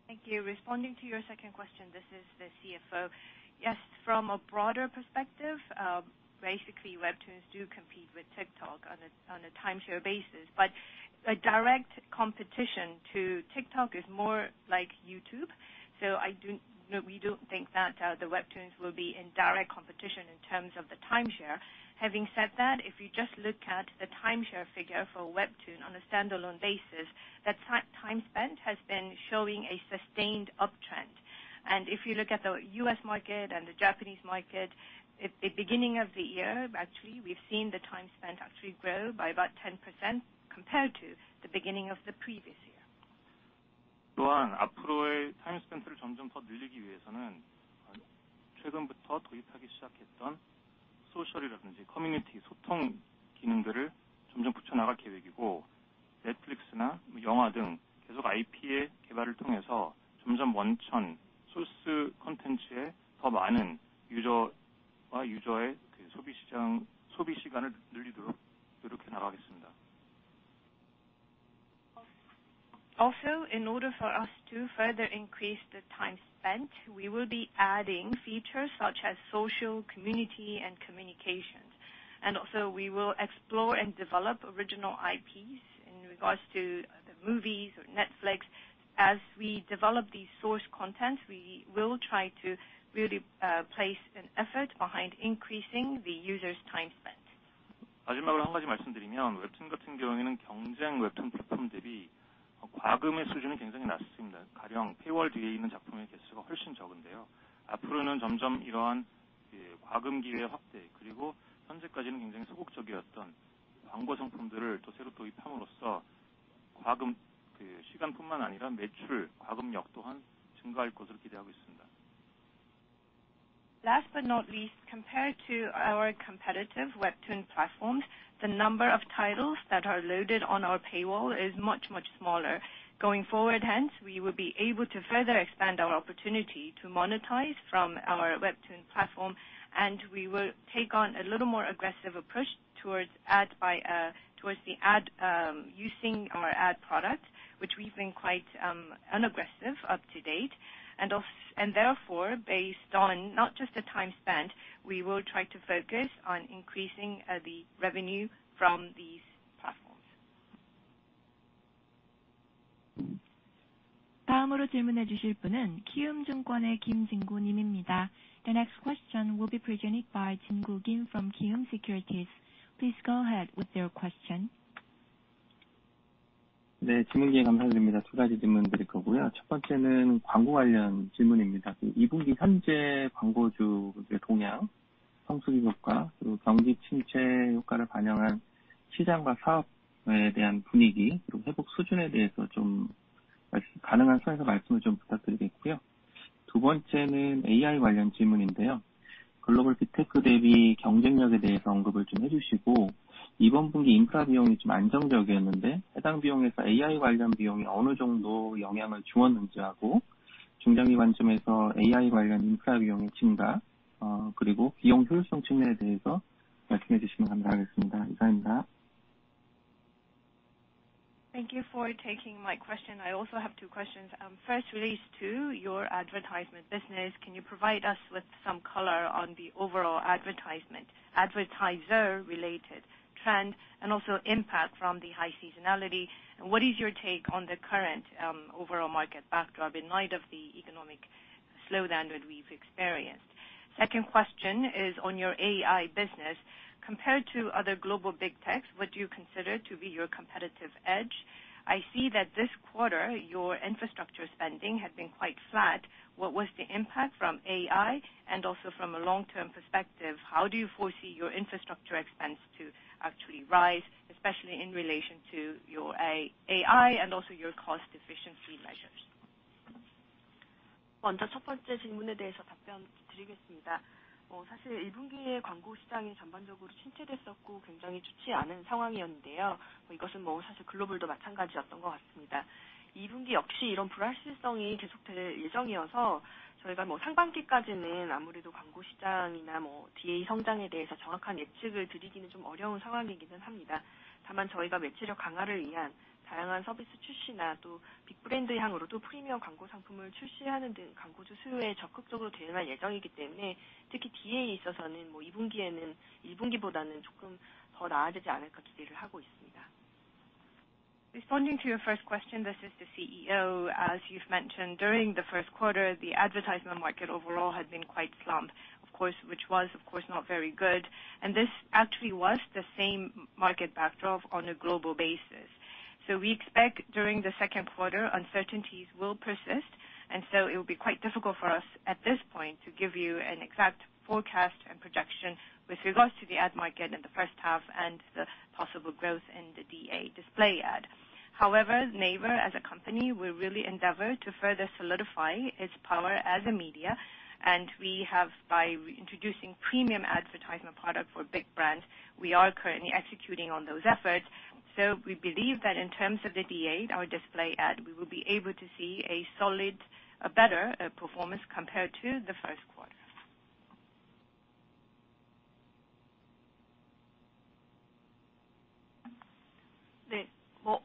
Thank you. Responding to your second question, this is the CFO. Yes, from a broader perspective, basically, WEBTOONs do compete with TikTok on a, on a timeshare basis, but a direct competition to TikTok is more like YouTube. We don't think that the WEBTOONs will be in direct competition in terms of the timeshare. Having said that, if you just look at the timeshare figure for WEBTOON on a standalone basis, the time spent has been showing a sustained uptrend. If you look at the U.S. market and the Japanese market, at the beginning of the year, actually, we've seen the time spent actually grow by about 10% compared to the beginning of the previous year. Also, in order for us to further increase the time spent, we will be adding features such as social, community and communications. We will explore and develop original IPs in regards to the movies or Netflix. As we develop these source content, we will try to really place an effort behind increasing the users' time spent. Last but not least, compared to our competitive WEBTOON platforms, the number of titles that are loaded on our paywall is much, much smaller. Going forward, hence, we will be able to further expand our opportunity to monetize from our WEBTOON platform, and we will take on a little more aggressive approach towards the ad using our ad product, which we've been quite unaggressive up to date. Based on not just the time spent, we will try to focus on increasing the revenue from these platforms. The next question will be presented by Jin Gu Kim from Kiwoom Securities. Please go ahead with your question. Thank you for taking my question. I also have two questions. First relates to your advertisement business. Can you provide us with some color on the overall advertisement, advertiser-related trend and also impact from the high seasonality? What is your take on the current overall market backdrop in light of the economic slowdown that we've experienced? Second question is on your AI business. Compared to other global big techs, what do you consider to be your competitive edge? I see that this quarter, your infrastructure spending had been quite flat. What was the impact from AI? Also from a long-term perspective, how do you foresee your infrastructure expense to actually rise, especially in relation to your AI and also your cost efficiency measures? Responding to your first question, this is the CEO. As you've mentioned, during the first quarter, the advertisement market overall had been quite slumped, of course, which was of course not very good, this actually was the same market backdrop on a global basis. We expect during the second quarter, uncertainties will persist, it will be quite difficult for us at this point to give you an exact forecast and projection with regards to the ad market in the first half and the possible growth in the DA display ad. However, NAVER as a company will really endeavor to further solidify its power as a media, we have by introducing premium advertisement product for big brands, we are currently executing on those efforts. We believe that in terms of the DA, our display ad, we will be able to see a solid, a better performance compared to the first quarter. 네, 뭐,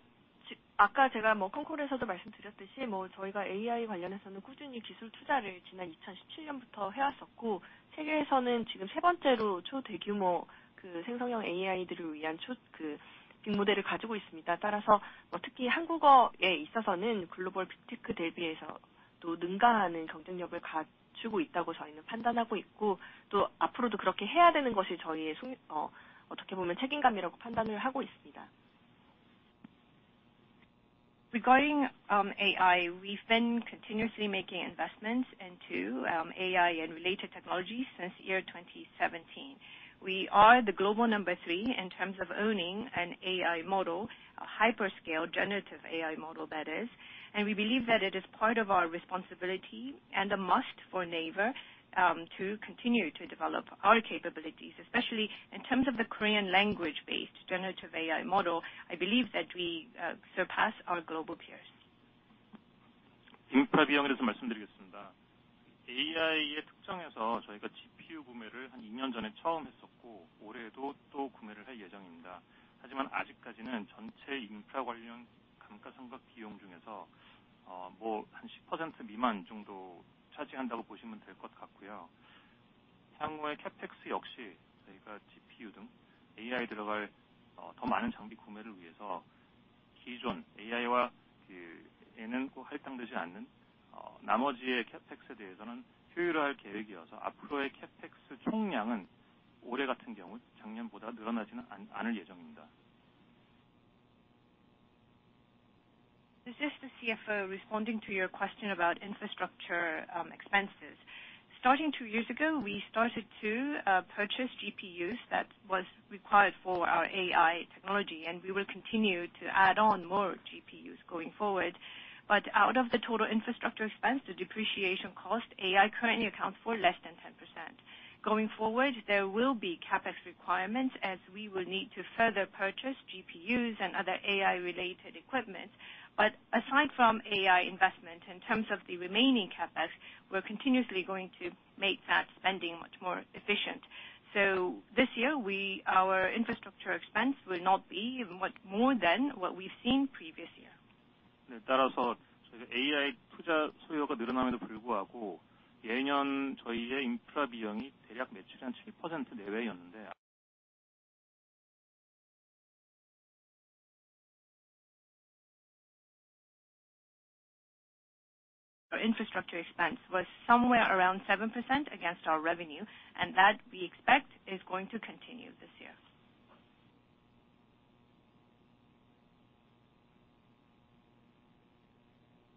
지, 아까 제가 뭐 컨콜에서도 말씀드렸듯이 뭐 저희가 AI 관련해서는 꾸준히 기술 투자를 지난 2017년부터 해왔었고, 세계에서는 지금 세 번째로 초대규모 그 생성형 AI들을 위한 초, 그, 빅모델을 가지고 있습니다. 따라서 뭐 특히 한국어에 있어서는 글로벌 빅테크 대비해서도 능가하는 경쟁력을 갖추고 있다고 저희는 판단하고 있고, 또 앞으로도 그렇게 해야 되는 것이 저희의 어떻게 보면 책임감이라고 판단을 하고 있습니다. Regarding AI, we've been continuously making investments into AI and related technologies since year 2017. We are the global number three in terms of owning an AI model, a hyperscale generative AI model, that is, and we believe that it is part of our responsibility and a must for NAVER to continue to develop our capabilities, especially in terms of the Korean language-based generative AI model. I believe that we surpass our global peers. 인프라 비용에 대해서 말씀드리겠습니다. AI의 특성에서 저희가 GPU 구매를 한 2년 전에 처음 했었고, 올해도 또 구매를 할 예정입니다. 하지만 아직까지는 전체 인프라 관련 감가상각비용 중에서, 뭐한 10% 미만 정도 차지한다고 보시면 될것 같고요. 향후의 CapEx 역시 저희가 GPU 등 AI 들어갈, 더 많은 장비 구매를 위해서 기존 AI와, 그, 에는 꼭 할당되지 않는, 나머지의 CapEx에 대해서는 효율화할 계획이어서 앞으로의 CapEx 총량은 올해 같은 경우 작년보다 늘어나지는 않을 예정입니다. This is the CFO responding to your question about infrastructure expenses. Starting two years ago, we started to purchase GPUs that was required for our AI technology, and we will continue to add on more GPUs going forward. Out of the total infrastructure expense, the depreciation cost AI currently accounts for less than 10%. Going forward, there will be CapEx requirements as we will need to further purchase GPUs and other AI related equipment. Aside from AI investment in terms of the remaining CapEx, we're continuously going to make that spending much more efficient. This year our infrastructure expense will not be much more than what we've seen previous year. Despite our AI investment demand increasing, our infrastructure costs in previous years were approximately 7% of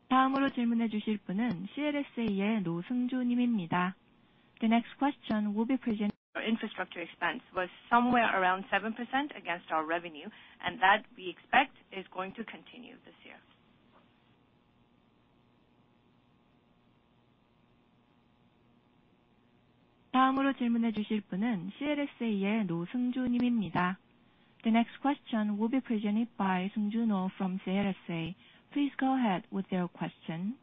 revenue. Our infrastructure expense was somewhere around 7% against our revenue and that we expect is going to continue this year. 다음으로 질문해 주실 분은 CLSA의 Seungjoo Ro 님입니다. The next question will be presen- Our infrastructure expense was somewhere around 7% against our revenue and that we expect is going to continue this year. 다음으로 질문해 주실 분은 CLSA의 노승주 님입니다. The next question will be presented by Seungjoo Ro from CLSA. Please go ahead with your question.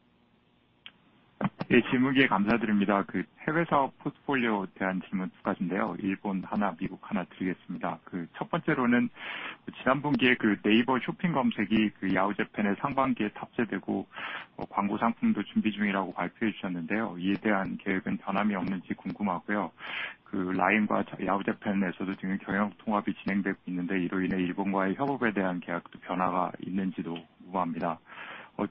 예, 질문 기회 감사드립니다. 그 해외 사업 포트폴리오에 대한 질문 두 가지인데요. 일본 하나, 미국 하나 드리겠습니다. 그첫 번째로는 지난 분기에 그 네이버 쇼핑 검색이 그 야후 재팬에 상반기에 탑재되고, 어, 광고 상품도 준비 중이라고 발표해 주셨는데요. 이에 대한 계획은 변함이 없는지 궁금하고요. 그 라인과 야후 재팬에서도 지금 경영 통합이 진행되고 있는데, 이로 인해 일본과의 협업에 대한 계약도 변화가 있는지도 궁금합니다. 어,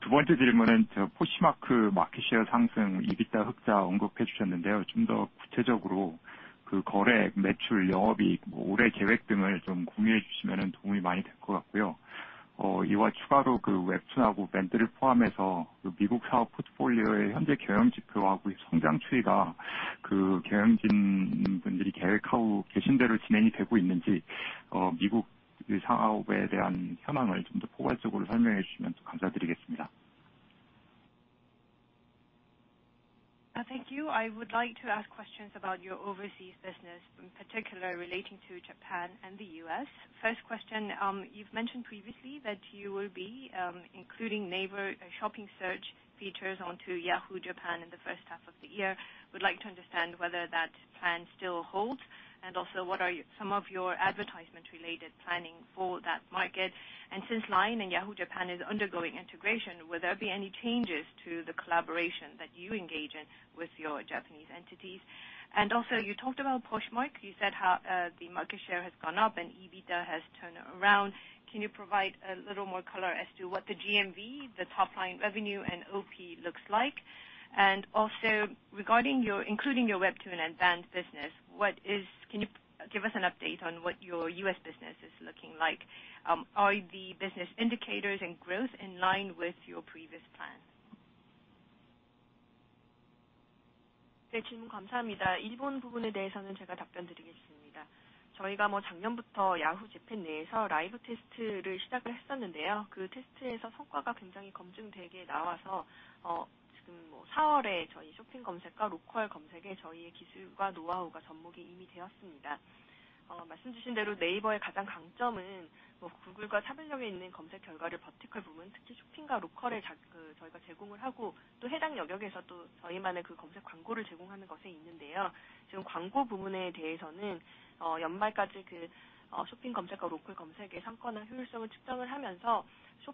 두 번째 질문은 제가 Poshmark 마켓셰어 상승, EBITDA 흑자 언급해 주셨는데요. 좀더 구체적으로 그 거래, 매출, 영업이익, 뭐 올해 계획 등을 좀 공유해 주시면 도움이 많이 될것 같고요. 어, 이와 추가로 그 웹툰하고 밴드를 포함해서 그 미국 사업 포트폴리오의 현재 경영 지표하고 성장 추이가 그 경영진분들이 계획하고 계신 대로 진행이 되고 있는지, 어, 미국 사업에 대한 현황을 좀더 포괄적으로 설명해 주시면 감사드리겠습니다. Thank you. I would like to ask questions about your overseas business, in particular relating to Japan and the U.S.. First question, you've mentioned previously that you will be including NAVER Shopping search features onto Yahoo! Japan in the first half of the year. Would like to understand whether that plan still holds. Also, what are some of your advertisement related planning for that market? Since LINE and Yahoo! Japan is undergoing integration, will there be any changes to the collaboration that you engage in with your Japanese entities? Also you talked about Poshmark. You said how the market share has gone up and EBITDA has turned around. Can you provide a little more color as to what the GMV, the top line revenue, and OP looks like? Also regarding your, including your WEBTOON and Wattpad business, can you give us an update on what your U.S. business is looking like? Are the business indicators and growth in line with your previous plans? 질문 감사합니다. 일본 부분에 대해서는 제가 답변드리겠습니다. 저희가 작년부터 Yahoo! Japan 내에서 라이브 테스트를 시작을 했었는데요. 그 테스트에서 성과가 굉장히 검증되게 나와서, 지금 4월에 저희 쇼핑 검색과 로컬 검색에 저희의 기술과 노하우가 접목이 이미 되었습니다. 말씀주신 대로 NAVER의 가장 강점은 Google과 차별력 있는 검색 결과를 버티컬 부분, 특히 쇼핑과 로컬에 잘. This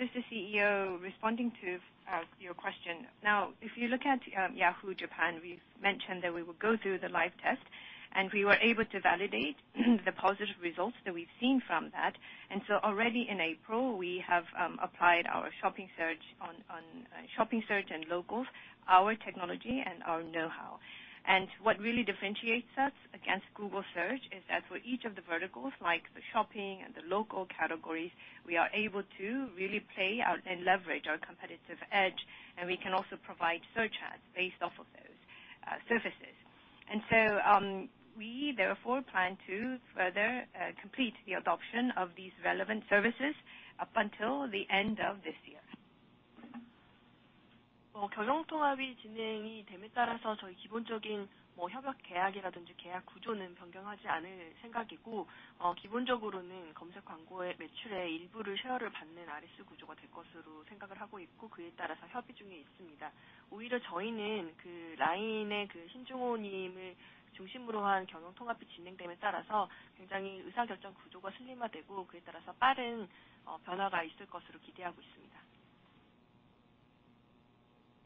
is the CEO responding to your question. If you look at Yahoo! Japan, we've mentioned that we will go through the live test and we were able to validate the positive results that we've seen from that. Already in April, we have applied our shopping search on shopping search and locals, our technology and our know-how. What really differentiates us against Google search is that for each of the verticals, like the shopping and the local categories, we are able to really play out and leverage our competitive edge, and we can also provide search ads based off of those services. We therefore plan to further complete the adoption of these relevant services up until the end of this year.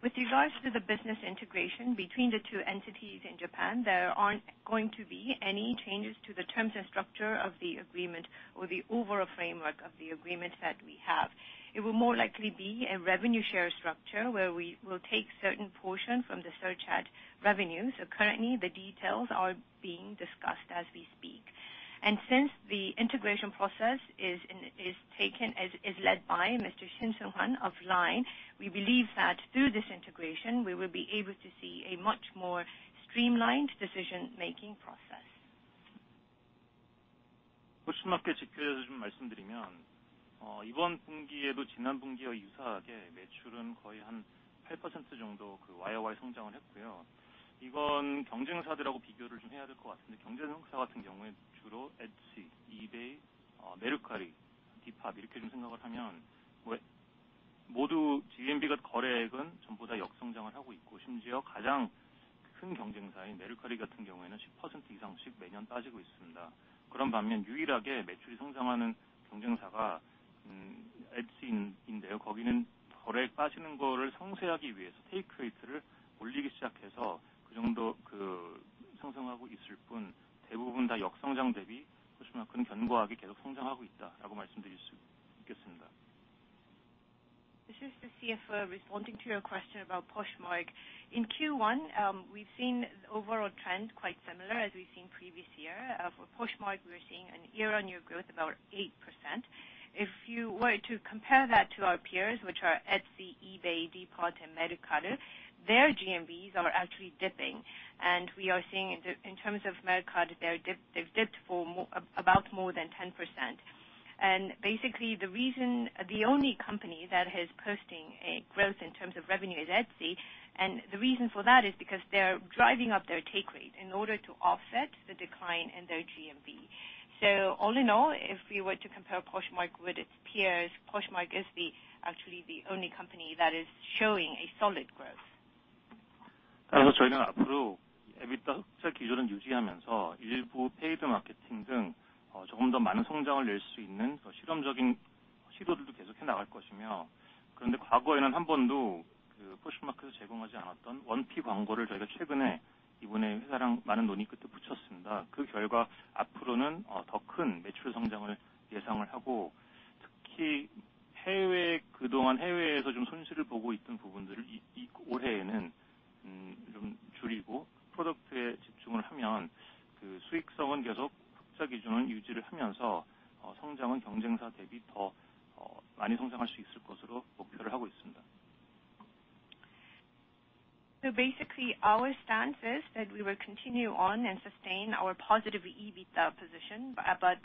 With regards to the business integration between the two entities in Japan, there aren't going to be any changes to the terms and structure of the agreement or the overall framework of the agreement that we have. It will more likely be a revenue share structure where we will take certain portion from the search ad revenue. Currently the details are being discussed as we speak. Since the integration process is led by Mr. Shin Jungho of LINE, we believe that through this integration we will be able to see a much more streamlined decision-making process. This is the CFO responding to your question about Poshmark. In Q1, we've seen the overall trend quite similar as we've seen previous year. For Poshmark, we're seeing an year-on-year growth about 8%. If you were to compare that to our peers, which are Etsy, eBay, Depop and Mercari, their GMVs are actually dipping, and we are seeing in terms of Mercari, they've dipped for more, about more than 10%. The reason, the only company that is posting a growth in terms of revenue is Etsy. The reason for that is because they're driving up their take rate in order to offset the decline in their GMV. If we were to compare Poshmark with its peers, Poshmark is the actually the only company that is showing a solid growth. Basically our stance is that we will continue on and sustain our positive EBITDA position, but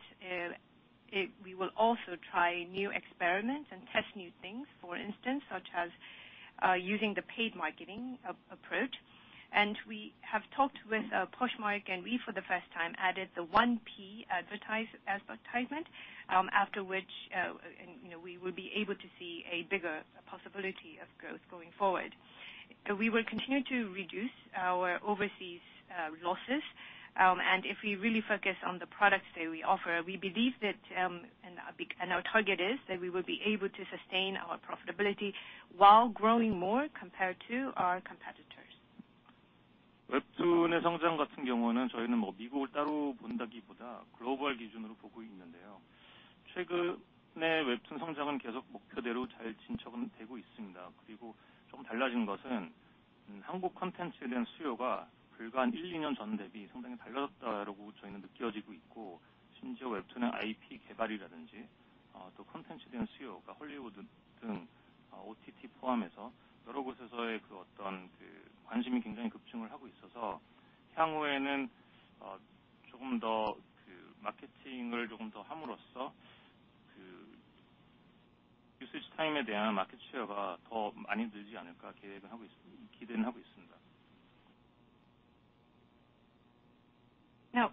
we will also try new experiments and test new things, for instance, such as using the paid marketing approach. We have talked with Poshmark, and we, for the first time, added the 1P advertisement, after which, you know, we will be able to see a bigger possibility of growth going forward. We will continue to reduce our overseas losses, and if we really focus on the products that we offer, we believe that our big, and our target is that we will be able to sustain our profitability while growing more compared to our competitors.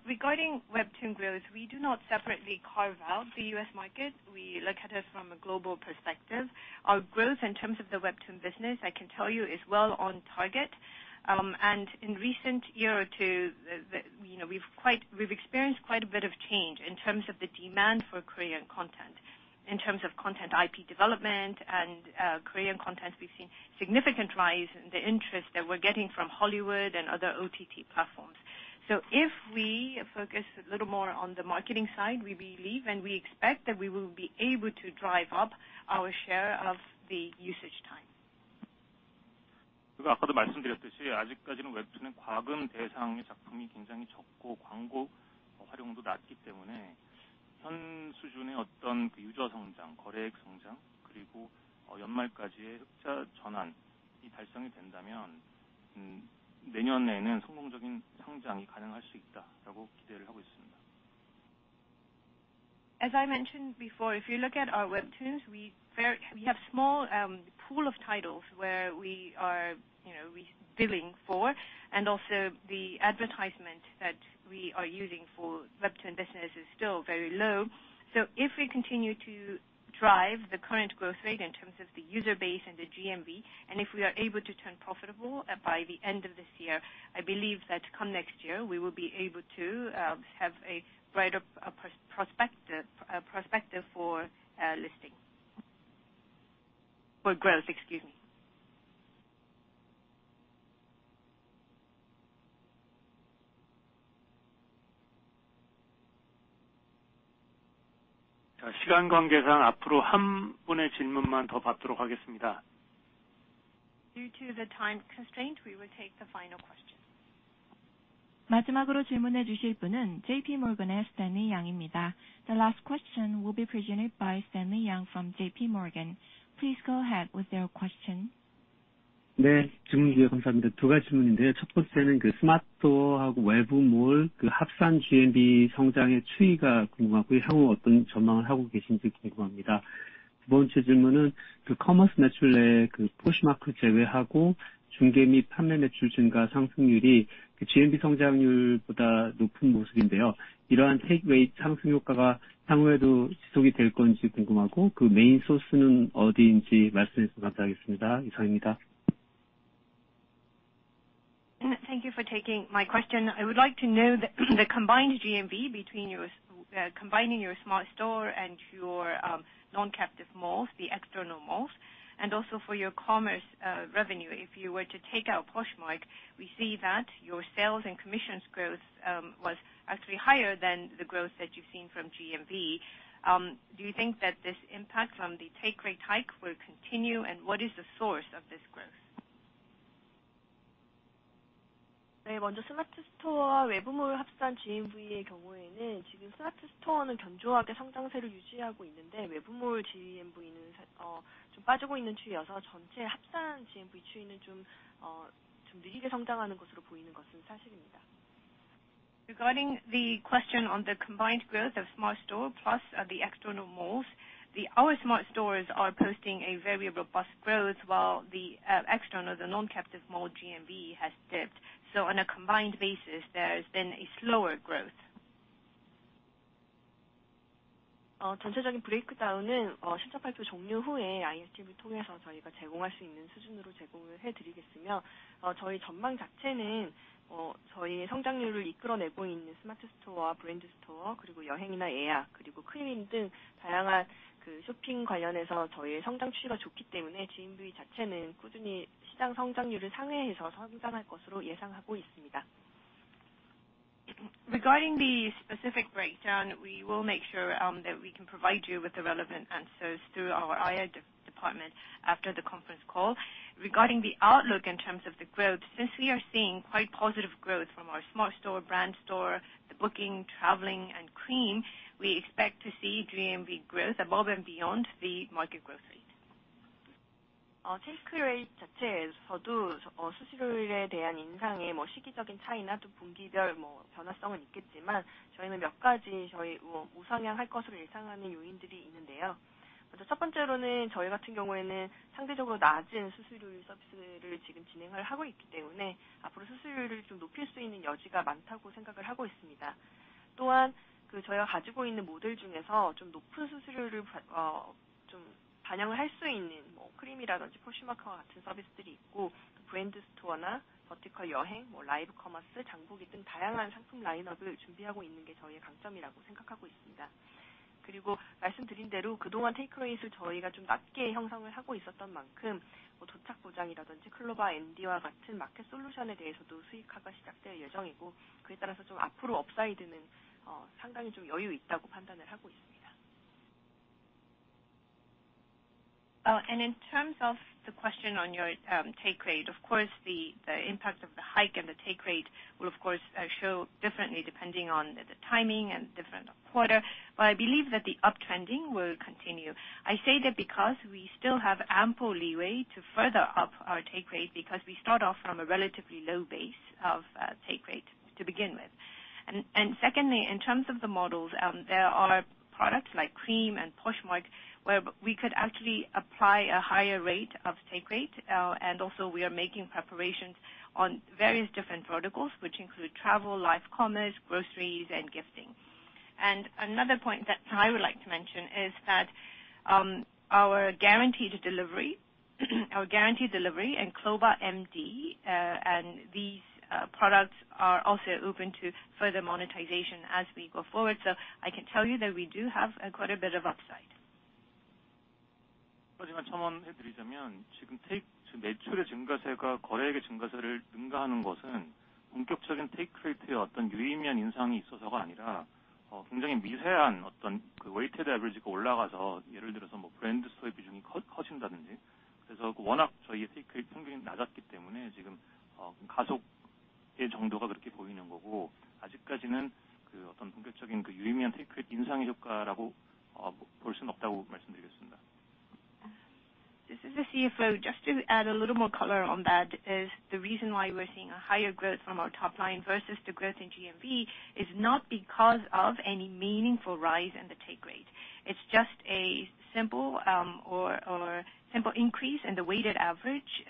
Regarding WEBTOON growth, we do not separately carve out the U.S. market. We look at it from a global perspective. Our growth in terms of the WEBTOON business, I can tell you is well on target. In recent year or two, you know, we've experienced quite a bit of change in terms of the demand for Korean content. In terms of content IP development and Korean content, we've seen significant rise in the interest that we're getting from Hollywood and other OTT platforms. If we focus a little more on the marketing side, we believe and we expect that we will be able to drive up our share of the usage time. As I mentioned before, if you look at our WEBTOONs, we have small pool of titles where we are, you know, re- billing for, and also the advertisement that we are using for WEBTOON business is still very low. If we continue to drive the current growth rate in terms of the user base and the GMV, and if we are able to turn profitable, by the end of this year, I believe that come next year, we will be able to, have a brighter, prospective for listing. For growth, excuse me. Due to the time constraint, we will take the final question. The last question will be presented by Stanley Yang from JPMorgan. Please go ahead with your question. Thank you for taking my question. I would like to know the combined GMV between your combining your Smart Store and your non-captive malls, the external malls, and also for your commerce revenue. If you were to take out Poshmark, we see that your sales and commissions growth was actually higher than the growth that you've seen from GMV. Do you think that this impact from the take rate hike will continue and what is the source of this growth? Regarding the question on the combined growth of Smart Store plus the external malls, our Smart Stores are posting a very robust growth while the external, the non-captive mall GMV has dipped. On a combined basis, there's been a slower growth. Regarding the specific breakdown, we will make sure that we can provide you with the relevant answers through our IR department after the conference call. Regarding the outlook in terms of the growth, since we are seeing quite positive growth from our Smart Store, Brand Store, the booking, traveling, and KREAM, we expect to see GMV growth above and beyond the market growth rate. In terms of the question on your take rate, of course, the impact of the hike and the take rate will of course show differently depending on the timing and different quarter. I believe that the uptrending will continue. I say that because we still have ample leeway to further up our take rate because we start off from a relatively low base of take rate to begin with. Secondly, in terms of the models, there are products like KREAM and Poshmark, where we could actually apply a higher rate of take rate. And also we are making preparations on various different verticals, which include travel, life commerce, groceries, and gifting. Another point that I would like to mention is that our Guaranteed Delivery and CLOVA MD, and these products are also open to further monetization as we go forward. I can tell you that we do have quite a bit of upside. This is the CFO. Just to add a little more color on that, is the reason why we're seeing a higher growth from our top line versus the growth in GMV is not because of any meaningful rise in the take rate. It's just a simple or simple increase in the weighted average,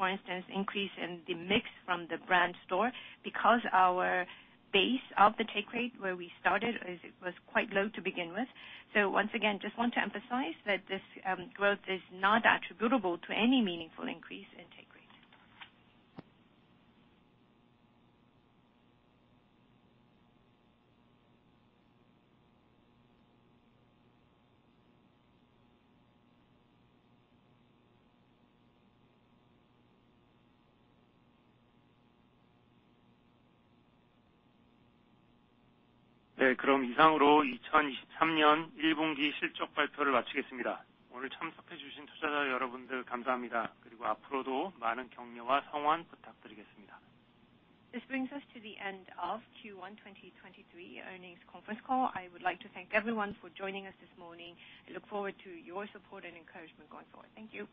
for instance, increase in the mix from the Brand Store because our base of the take rate where we started was quite low to begin with. Once again, just want to emphasize that this growth is not attributable to any meaningful increase in take rate. This brings us to the end of Q1 2023 earnings conference call. I would like to thank everyone for joining us this morning. I look forward to your support and encouragement going forward. Thank you.